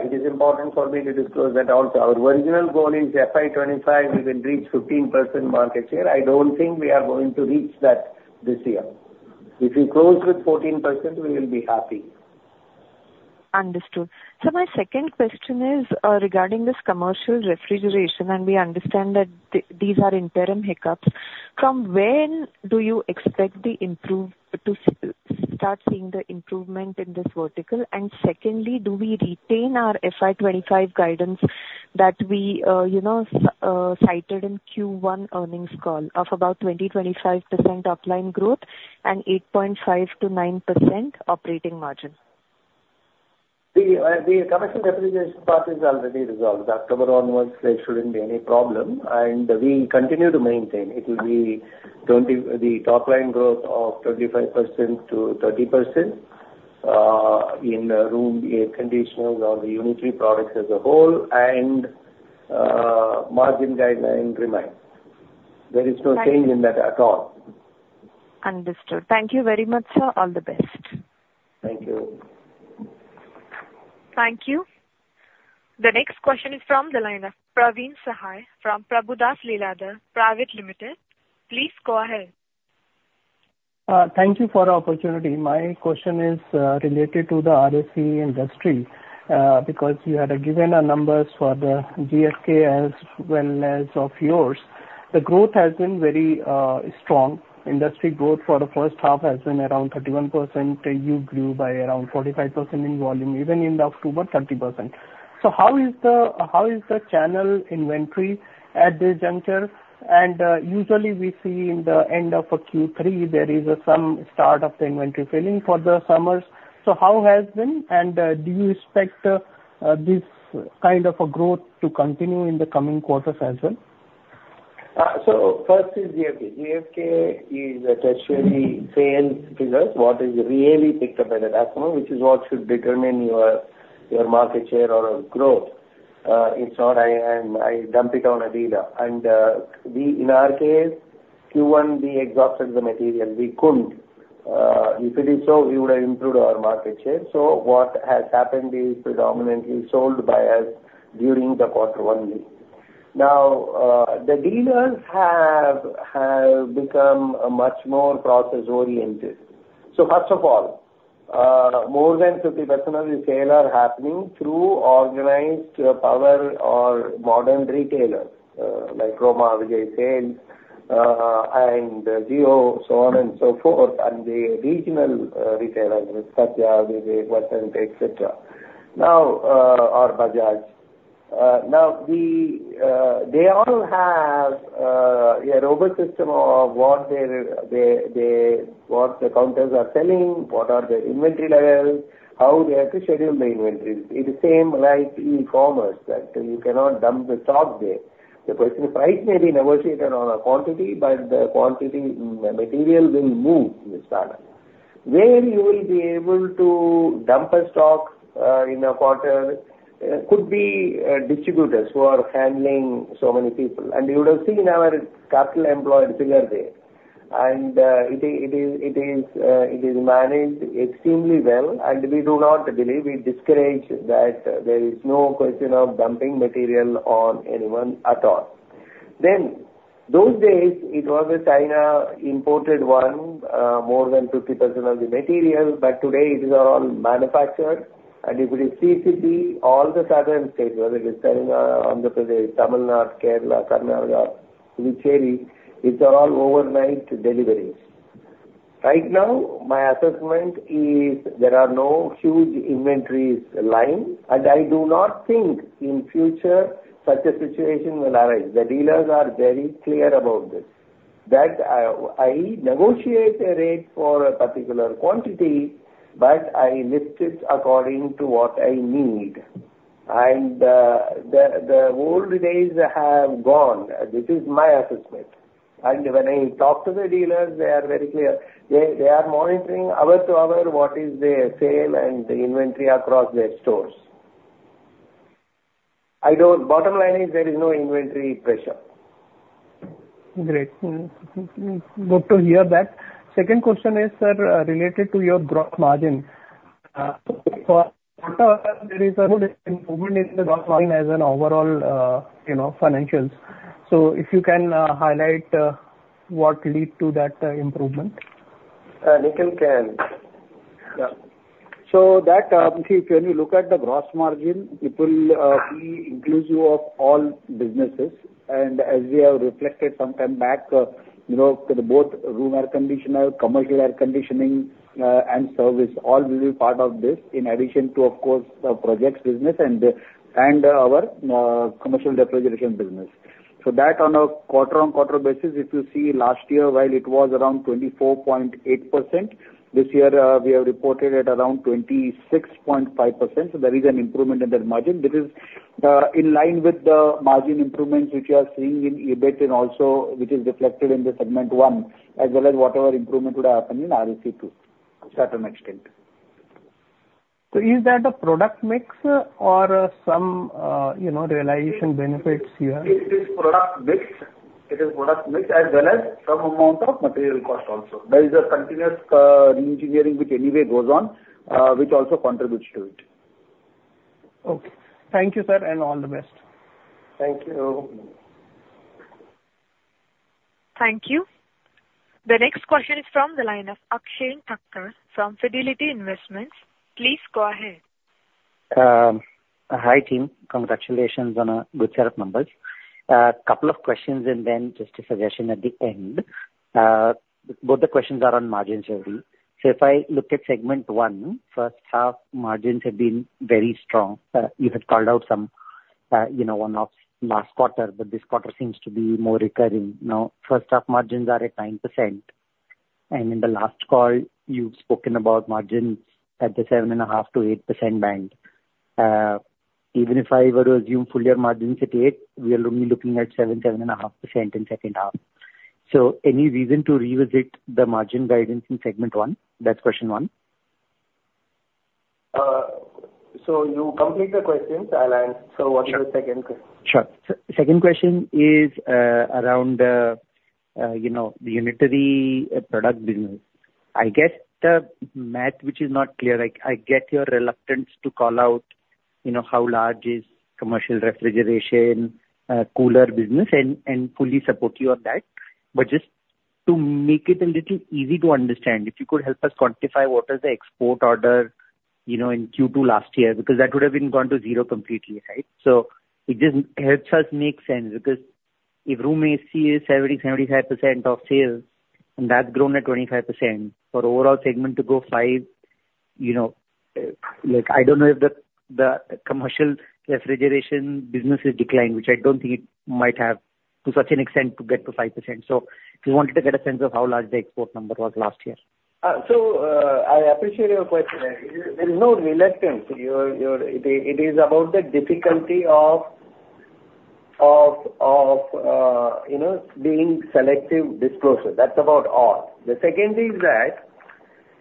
It is important for me to disclose that also. Our original goal is FY25. We will reach 15% market share. I don't think we are going to reach that this year. If we close with 14%, we will be happy. Understood. So my second question is regarding this commercial refrigeration. And we understand that these are interim hiccups. From when do you expect to start seeing the improvement in this vertical? And secondly, do we retain our FY25 guidance that we cited in Q1 earnings call of about 20%-25% upside growth and 8.5%-9% operating margin? The commercial refrigeration part is already resolved. October onwards, there shouldn't be any problem. And we continue to maintain. It will be the top line growth of 25% to 30% in room air conditioners or the unitary products as a whole and margin guideline remain. There is no change in that at all. Understood. Thank you very much, sir. All the best. Thank you. Thank you. The next question is from the lineup. Praveen Sahay from Prabhudas Lilladher Private Limited. Please go ahead. Thank you for the opportunity. My question is related to the RAC industry because you had given our numbers for the GfK as well as of yours. The growth has been very strong. Industry growth for the first half has been around 31%. You grew by around 45% in volume, even in October, 30%. So how is the channel inventory at this juncture? And usually, we see in the end of Q3, there is some start of the inventory filling for the summers. So, how has it been? And do you expect this kind of a growth to continue in the coming quarters as well? First is GfK. GfK is a tertiary sales result, which is really picked up at that point, which is what should determine your market share or growth. It's not, "I dump it on a dealer." And in our case, Q1, we exhausted the material. We couldn't. If it is so, we would have improved our market share. So what has happened is predominantly sold by us during the quarter only. Now, the dealers have become much more process-oriented. First of all, more than 50% of the sales are happening through organized retail or modern retailers like Croma, Vijay Sales, and Jio, so on and so forth, and the regional retailers, Sathya, Vijay, Vasanth, etc., or Bajaj. Now, they all have a robust system of what the counters are selling, what are the inventory levels, how they have to schedule the inventory. It is same like e-commerce that you cannot dump the stock there. The person is right, maybe negotiated on a quantity, but the quantity material will move in the startup. Whereas you will be able to dump a stock in a quarter could be distributors who are handling so many people, and you would have seen our capital employed figure there, and it is managed extremely well, and we do not believe. We discourage that. There is no question of dumping material on anyone at all. In those days, it was a China-imported one, more than 50% of the material. Today, it is all manufactured. If it is TCM, all the southern states, whether it is Tamil Nadu, Kerala, Karnataka, which are all overnight deliveries. Right now, my assessment is there are no huge inventories lying. I do not think in future such a situation will arise. The dealers are very clear about this. That I negotiate a rate for a particular quantity, but I lift it according to what I need. The old days have gone. This is my assessment. When I talk to the dealers, they are very clear. They are monitoring hour to hour what is their sale and the inventory across their stores. Bottom line is there is no inventory pressure. Great. Good to hear that. Second question is, sir, related to your gross margin. For quarter, there is an improvement in the gross margin as an overall financials. So if you can highlight what led to that improvement. So that, when you look at the gross margin, it will be inclusive of all businesses. And as we have reflected some time back, both room air conditioner, commercial air conditioning, and service all will be part of this in addition to, of course, the projects business and our commercial refrigeration business. So that on a quarter-on-quarter basis, if you see last year, while it was around 24.8%, this year we have reported at around 26.5%. So there is an improvement in that margin. This is in line with the margin improvements which you are seeing in EBIT and also which is reflected in the segment one as well as whatever improvement would happen in RSE too, to a certain extent. So is that a product mix or some realization benefits you have? It is product mix. It is product mix as well as some amount of material cost also. There is a continuous re-engineering which anyway goes on, which also contributes to it. Okay. Thank you, sir, and all the best. Thank you. Thank you. The next question is from the lineup, Akshen Thakkar from Fidelity Investments. Please go ahead. Hi team. Congratulations on a good set of numbers. A couple of questions and then just a suggestion at the end. Both the questions are on margins only. So if I look at segment one, first half margins have been very strong. You had called out some one-offs last quarter, but this quarter seems to be more recurring. Now, first half margins are at 9%, and in the last call, you've spoken about margins at the 7.5%-8% band. Even if I were to assume full year margins at 8%, we are only looking at 7%, 7.5% in second half. So any reason to revisit the margin guidance in segment one? That's question one. So you complete the questions, and I'll answer what is the second question. Sure. Second question is around the unitary product business. I guess the math, which is not clear, I get your reluctance to call out how large is commercial refrigeration, cooler business, and fully support you on that. But just to make it a little easy to understand, if you could help us quantify what is the export order in Q2 last year because that would have been gone to zero completely, right? So it just helps us make sense because if room AC is 70%-75% of sales, and that's grown at 25%, for overall segment to go 5%, I don't know if the commercial refrigeration business has declined, which I don't think it might have to such an extent to get to 5%. If you wanted to get a sense of how large the export number was last year. I appreciate your question. There is no reluctance. It is about the difficulty of being selective disclosure. That's about all. The second is that,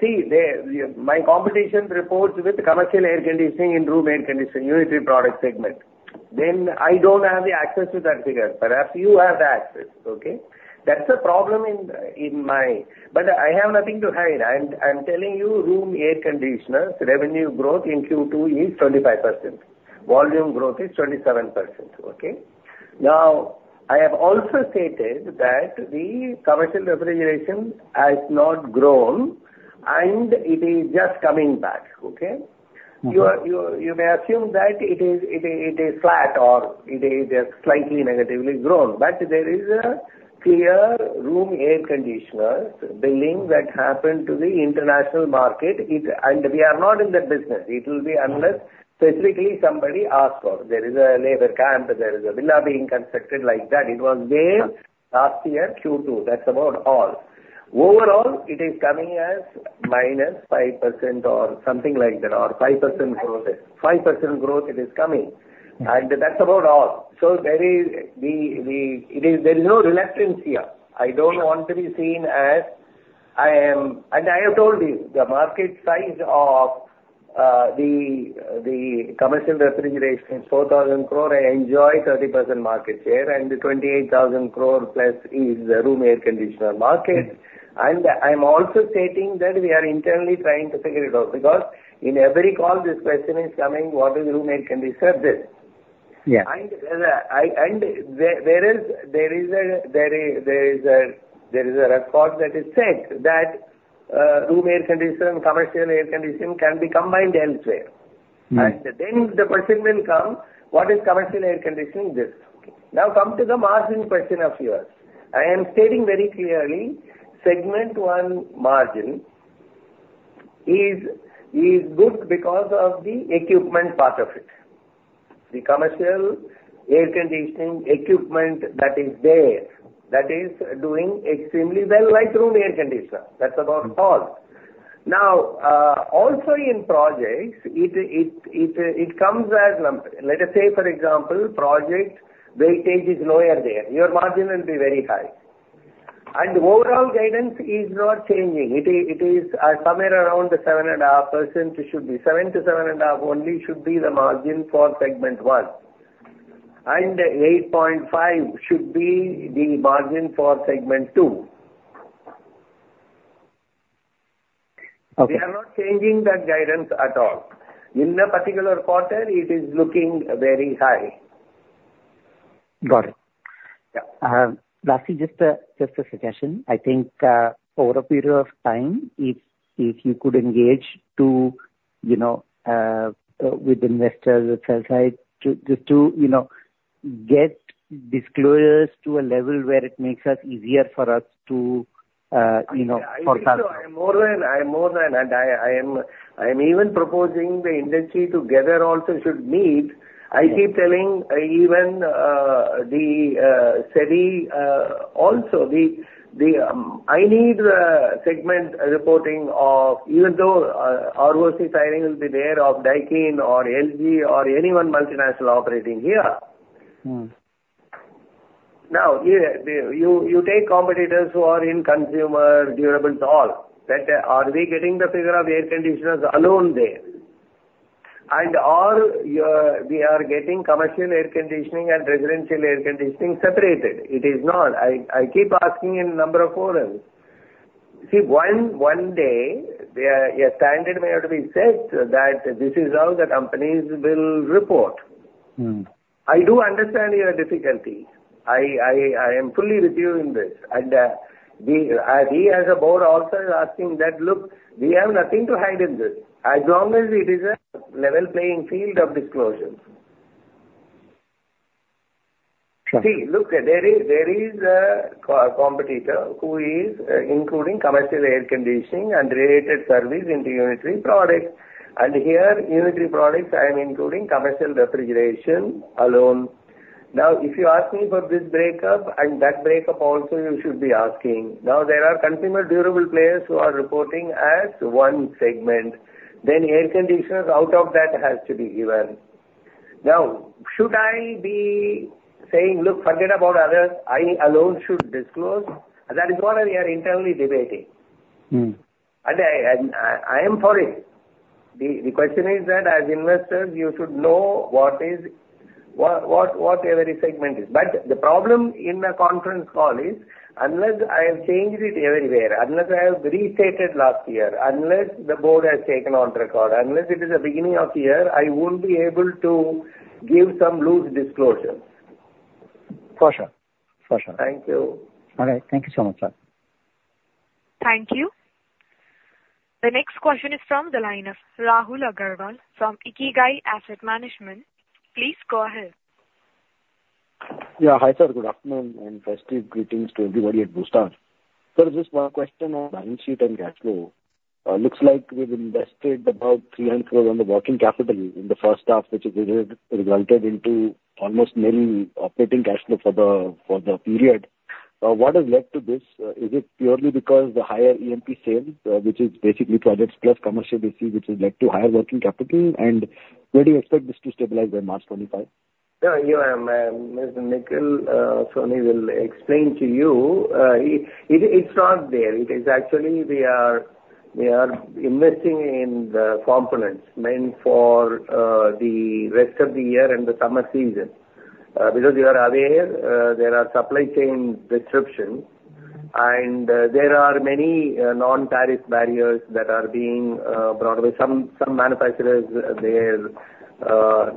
see, my competition reports with commercial air conditioning in room air conditioning, unitary product segment. Then I don't have the access to that figure. Perhaps you have access, okay? That's a problem in my book, but I have nothing to hide. I'm telling you, room air conditioner revenue growth in Q2 is 25%. Volume growth is 27%, okay? Now, I have also stated that the commercial refrigeration has not grown, and it is just coming back, okay? You may assume that it is flat or it is slightly negatively grown. But there is a clear room air conditioner billing that happened to the international market, and we are not in that business. It will be unless specifically somebody asked for. There is a labor camp. There is a villa being constructed like that. It was there last year, Q2. That's about all. Overall, it is coming as -5% or something like that or 5% growth. 5% growth, it is coming. And that's about all. So there is no reluctance here. I don't want to be seen as I am and I have told you, the market size of the commercial refrigeration is 4,000 crore. I enjoy 30% market share, and the 28,000 crore plus is the room air conditioner market. And I'm also stating that we are internally trying to figure it out because in every call, this question is coming, "What is room air conditioner?" And there is a record that is set that room air conditioner and commercial air conditioning can be combined elsewhere. And then the question will come, "What is commercial air conditioning?" Now, come to the margin question of yours. I am stating very clearly, segment one margin is good because of the equipment part of it. The commercial air conditioning equipment that is there that is doing extremely well like room air conditioner. That's about all. Now, also in projects, it comes as let us say, for example, project weightage is lower there. Your margin will be very high. And the overall guidance is not changing. It is somewhere around the 7.5%. It should be 7% to 7.5% only. It should be the margin for segment one. And 8.5% should be the margin for segment two. We are not changing that guidance at all. In the particular quarter, it is looking very high. Got it. Lastly, just a suggestion. I think over a period of time, if you could engage with investors or sell side just to get disclosures to a level where it makes it easier for us to forecast. I agree too. I am more than and I am even proposing the industry together also should meet. I keep telling even the industry also I need the segment reporting even though our ROC filing will be there of Daikin or LG or anyone multinational operating here. Now, you take competitors who are in consumer durables, all. Are we getting the figure of air conditioners alone there? And/or we are getting commercial air conditioning and residential air conditioning separated. It is not. I keep asking in a number of quarters. See, one day, a standard may have to be set that this is how the companies will report. I do understand your difficulty. I am fully with you in this. And we as a board also are asking that, "Look, we have nothing to hide in this." As long as it is a level playing field of disclosures. See, look, there is a competitor who is including commercial air conditioning and related service into unitary products. And here, unitary products, I am including commercial refrigeration alone. Now, if you ask me for this breakup and that breakup also, you should be asking. Now, there are consumer durable players who are reporting as one segment. Then air conditioners out of that has to be given. Now, should I be saying, "Look, forget about others. I alone should disclose"? That is what we are internally debating. And I am for it. The question is that as investors, you should know what every segment is. But the problem in the conference call is unless I have changed it everywhere, unless I have restated last year, unless the board has taken on record, unless it is the beginning of the year, I won't be able to give some loose disclosures. For sure. For sure. All right. Thank you so much, sir. Thank you. The next question is from the lineup, Rahul Agarwal from Ikigai Asset Management. Please go ahead. Yeah. Hi, sir. Good afternoon and festive greetings to everybody at Blue Star. Sir, just one question on balance sheet and cash flow. Looks like we've invested about 300 crore on the working capital in the first half, which resulted into almost nearly operating cash flow for the period. What has led to this? Is it purely because the higher MEP sales, which is basically projects plus commercial AC, which has led to higher working capital? And where do you expect this to stabilize by March 2025? Yeah. Mr. Nikhil Sohoni will explain to you. It's not there. It is actually we are investing in the components meant for the rest of the year and the summer season. Because you are aware, there are supply chain disruptions. And there are many non-tariff barriers that are being brought with some manufacturers.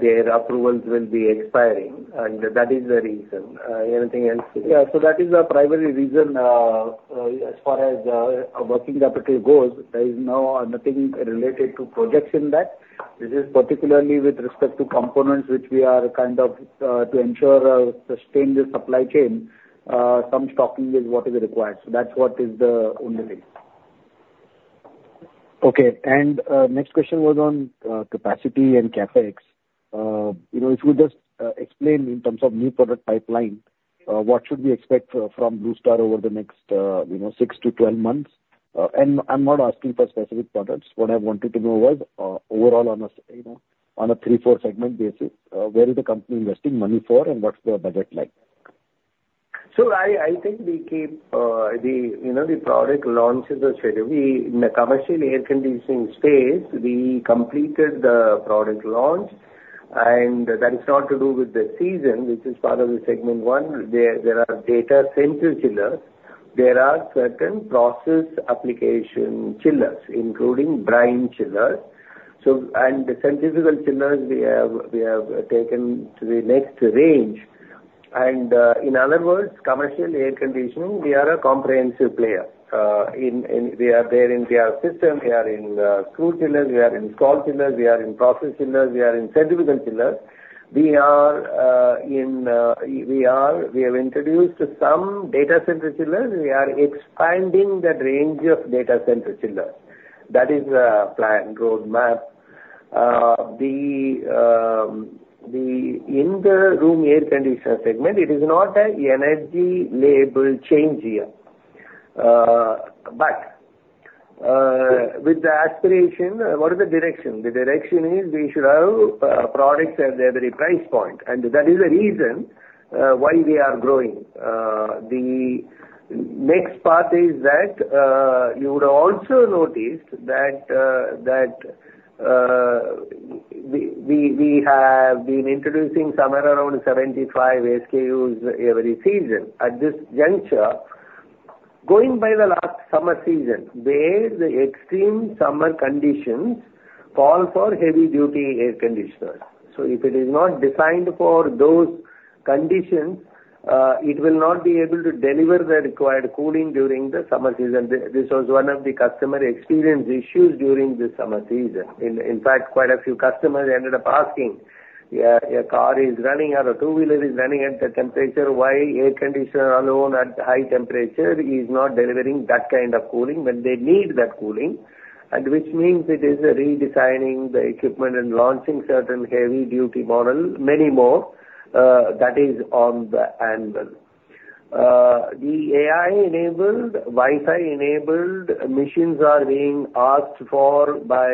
Their approvals will be expiring. And that is the reason. Anything else? Yeah. So that is the primary reason as far as working capital goes. There is nothing related to projects in that. This is particularly with respect to components, which we are kind of to ensure or sustain the supply chain, some stocking is what is required. So that's what is the only thing. Okay. And next question was on capacity and CapEx. If we just explain in terms of new product pipeline, what should we expect from Blue Star over the next 6-12 months? And I'm not asking for specific products. What I wanted to know was overall on a three- or four-segment basis, where is the company investing money for and what's the budget like? So I think we keep the product launches are scheduled. In the commercial air conditioning space, we completed the product launch. And that is not to do with the season, which is part of the segment one. There are data center chillers. There are certain process application chillers, including brine chillers, and the centrifugal chillers we have taken to the next range. In other words, commercial air conditioning, we are a comprehensive player. We are there in VRF system. We are in screw chillers. We are in scroll chillers. We are in process chillers. We are in centrifugal chillers. We have introduced some data center chillers. We are expanding that range of data center chillers. That is the plan, roadmap. In the room air conditioner segment, it is not an energy label change here, but with the aspiration, what is the direction? The direction is we should have products at the every price point, and that is the reason why we are growing. The next part is that you would also notice that we have been introducing somewhere around 75 SKUs every season. At this juncture, going by the last summer season, where the extreme summer conditions call for heavy-duty air conditioners. So if it is not designed for those conditions, it will not be able to deliver the required cooling during the summer season. This was one of the customer experience issues during the summer season. In fact, quite a few customers ended up asking, "Your car AC or two-wheeler is running at the temperature. Why air conditioner alone at high temperature is not delivering that kind of cooling when they need that cooling?" which means it is redesigning the equipment and launching certain heavy-duty models, many more that is on the anvil. The AI-enabled, Wi-Fi-enabled machines are being asked for by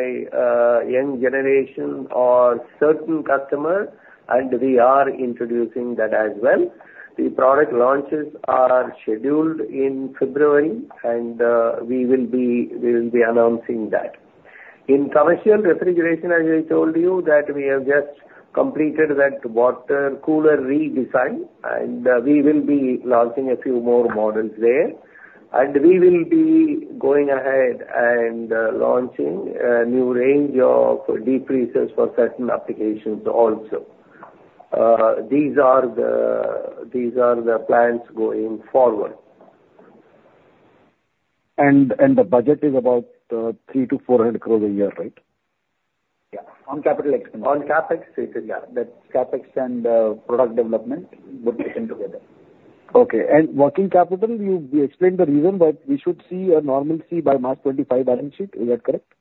young generation or certain customers, and we are introducing that as well. The product launches are scheduled in February, and we will be announcing that. In commercial refrigeration, as I told you, that we have just completed that water cooler redesign, and we will be launching a few more models there. And we will be going ahead and launching a new range of deep freezers for certain applications also. These are the plans going forward. And the budget is about 300-400 crore a year, right? Yeah. On capital expenditure. On CapEx statement, yeah. That's CapEx and product development would be put together. Okay. And working capital, you explained the reason why we should see a normalcy by March 2025 balance sheet. Is that correct?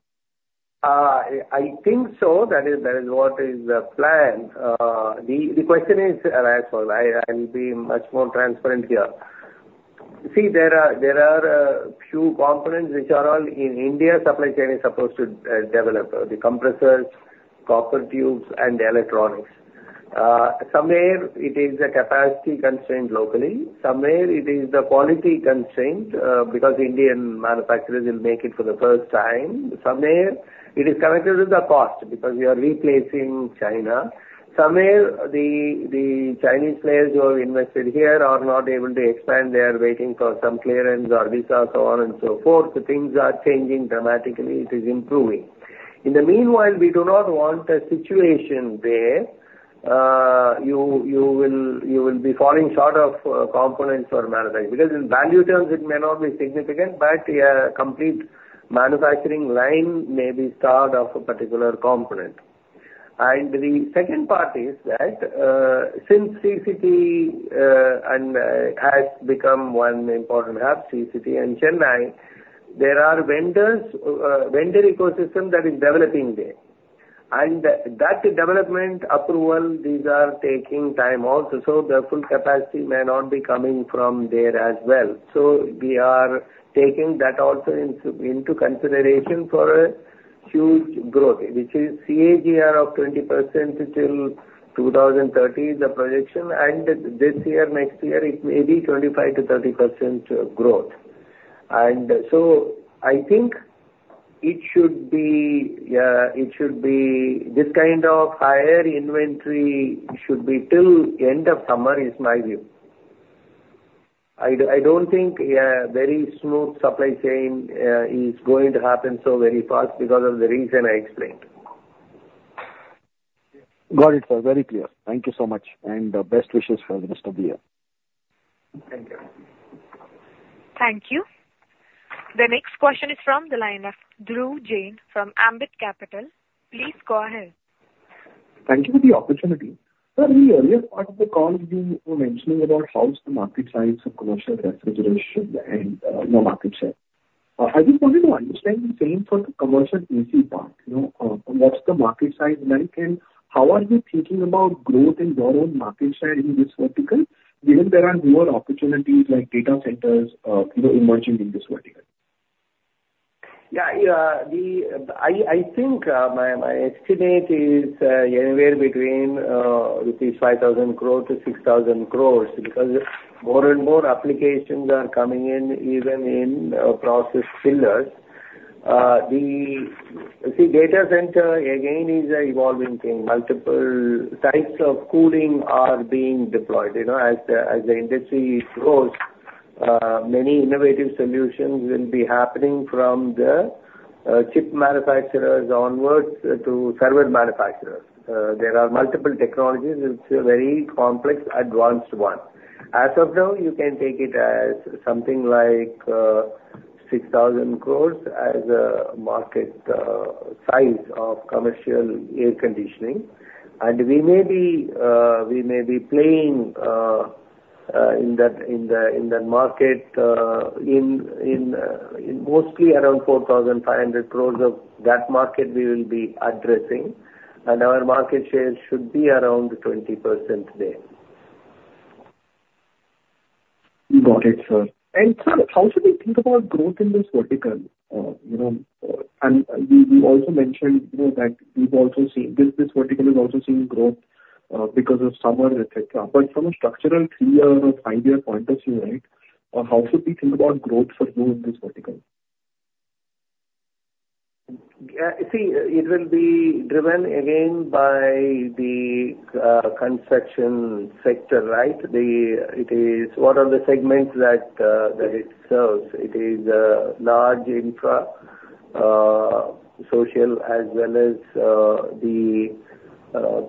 I think so. That is what is planned. The question is, and I'll be much more transparent here. See, there are a few components which are all in India supply chain is supposed to develop: the compressors, copper tubes, and electronics. Somewhere, it is a capacity constraint locally. Somewhere, it is the quality constraint because Indian manufacturers will make it for the first time. Somewhere, it is connected with the cost because we are replacing China. Somewhere, the Chinese players who have invested here are not able to expand. They are waiting for some clearance or visa, so on and so forth. The things are changing dramatically. It is improving. In the meanwhile, we do not want a situation where you will be falling short of components or manufacturers. Because in value terms, it may not be significant, but a complete manufacturing line may be started of a particular component. And the second part is that since Sri City has become one important hub, Sri City and Chennai, there are vendor ecosystems that are developing there. And that development approval, these are taking time also. So the full capacity may not be coming from there as well. So we are taking that also into consideration for a huge growth, which is CAGR of 20% until 2030, the projection. And this year, next year, it may be 25%-30% growth. And so I think it should be this kind of higher inventory should be till end of summer, is my view. I don't think very smooth supply chain is going to happen so very fast because of the reason I explained. Got it, sir. Very clear. Thank you so much. And best wishes for the rest of the year. Thank you. Thank you. The next question is from the lineup, Dhruv Jain from Ambit Capital. Please go ahead. Thank you for the opportunity. Sir, in the earlier part of the call, you were mentioning about how's the market size of commercial refrigeration and market share. I just wanted to understand the same for the commercial AC part. What's the market size like, and how are you thinking about growth in your own market share in this vertical, given there are newer opportunities like data centers emerging in this vertical? Yeah. I think my estimate is anywhere between rupees 5,000 crore to 6,000 crores because more and more applications are coming in, even in process chillers. The data center, again, is an evolving thing. Multiple types of cooling are being deployed. As the industry grows, many innovative solutions will be happening from the chip manufacturers onwards to server manufacturers. There are multiple technologies. It's a very complex, advanced one. As of now, you can take it as something like 6,000 crores as a market size of commercial air conditioning, and we may be playing in that market in mostly around 4,500 crores of that market we will be addressing, and our market share should be around 20% there. Got it, sir. And sir, how should we think about growth in this vertical? And you also mentioned that we've also seen this vertical is also seeing growth because of summer, etc. But from a structural three-year or five-year point of view, right, how should we think about growth for you in this vertical? See, it will be driven again by the consumption sector, right? It is one of the segments that it serves. It is large infra, social, as well as the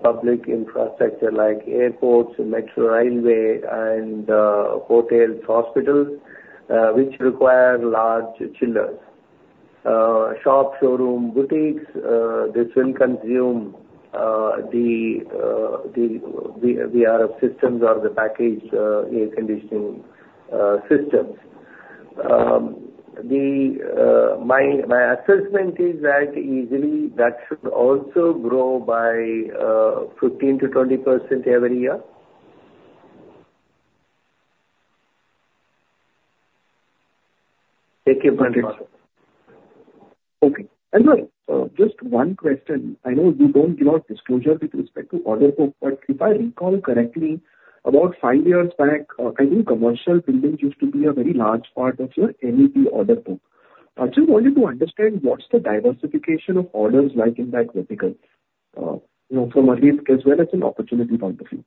public infrastructure like airports, metro railway, and hotels, hospitals, which require large chillers. Shop, showroom, boutiques, this will consume the VRF systems or the packaged air conditioning systems. My assessment is that easily that should also grow by 15%-20% every year. Thank you. Okay. And sir, just one question. I know we don't give out disclosure with respect to order book, but if I recall correctly, about five years back, I think commercial buildings used to be a very large part of your MEP order book. I just wanted to understand what's the diversification of orders like in that vertical from a risk as well as an opportunity point of view.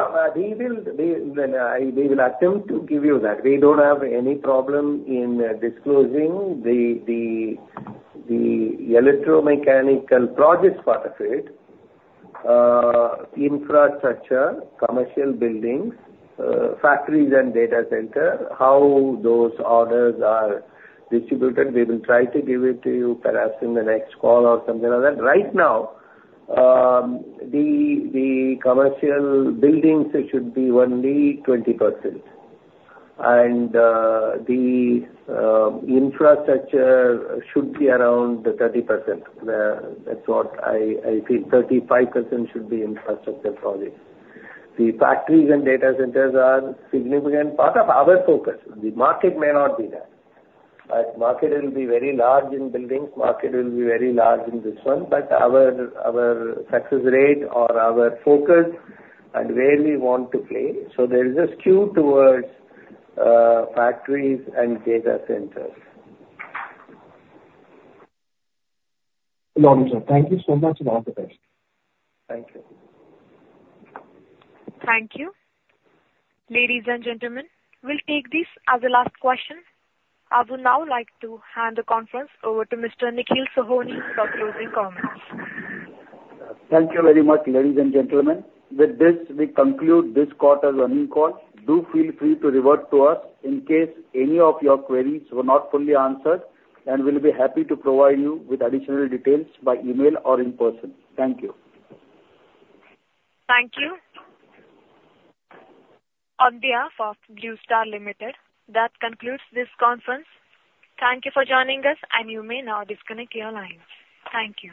o they will attempt to give you that. We don't have any problem in disclosing the electromechanical project part of it, infrastructure, commercial buildings, factories, and data centers, how those orders are distributed. We will try to give it to you perhaps in the next call or something like that. Right now, the commercial buildings should be only 20%, and the infrastructure should be around 30%. That's what I feel. 35% should be infrastructure projects. The factories and data centers are a significant part of our focus. The market may not be that. But market will be very large in buildings. Market will be very large in this one. But our success rate or our focus and where we want to play. So there is a skew towards factories and data centers. Noted, sir. Thank you so much for all the best. Thank you. Thank you. Ladies and gentlemen, we'll take this as the last question. I would now like to hand the conference over to Mr. Nikhil Sohoni for closing comments. Thank you very much, ladies and gentlemen. With this, we conclude this quarter's earnings call. Do feel free to revert to us in case any of your queries were not fully answered, and we'll be happy to provide you with additional details by email or in person. Thank you. Thank you. On behalf of Blue Star Limited, that concludes this conference. Thank you for joining us, and you may now disconnect your lines. Thank you.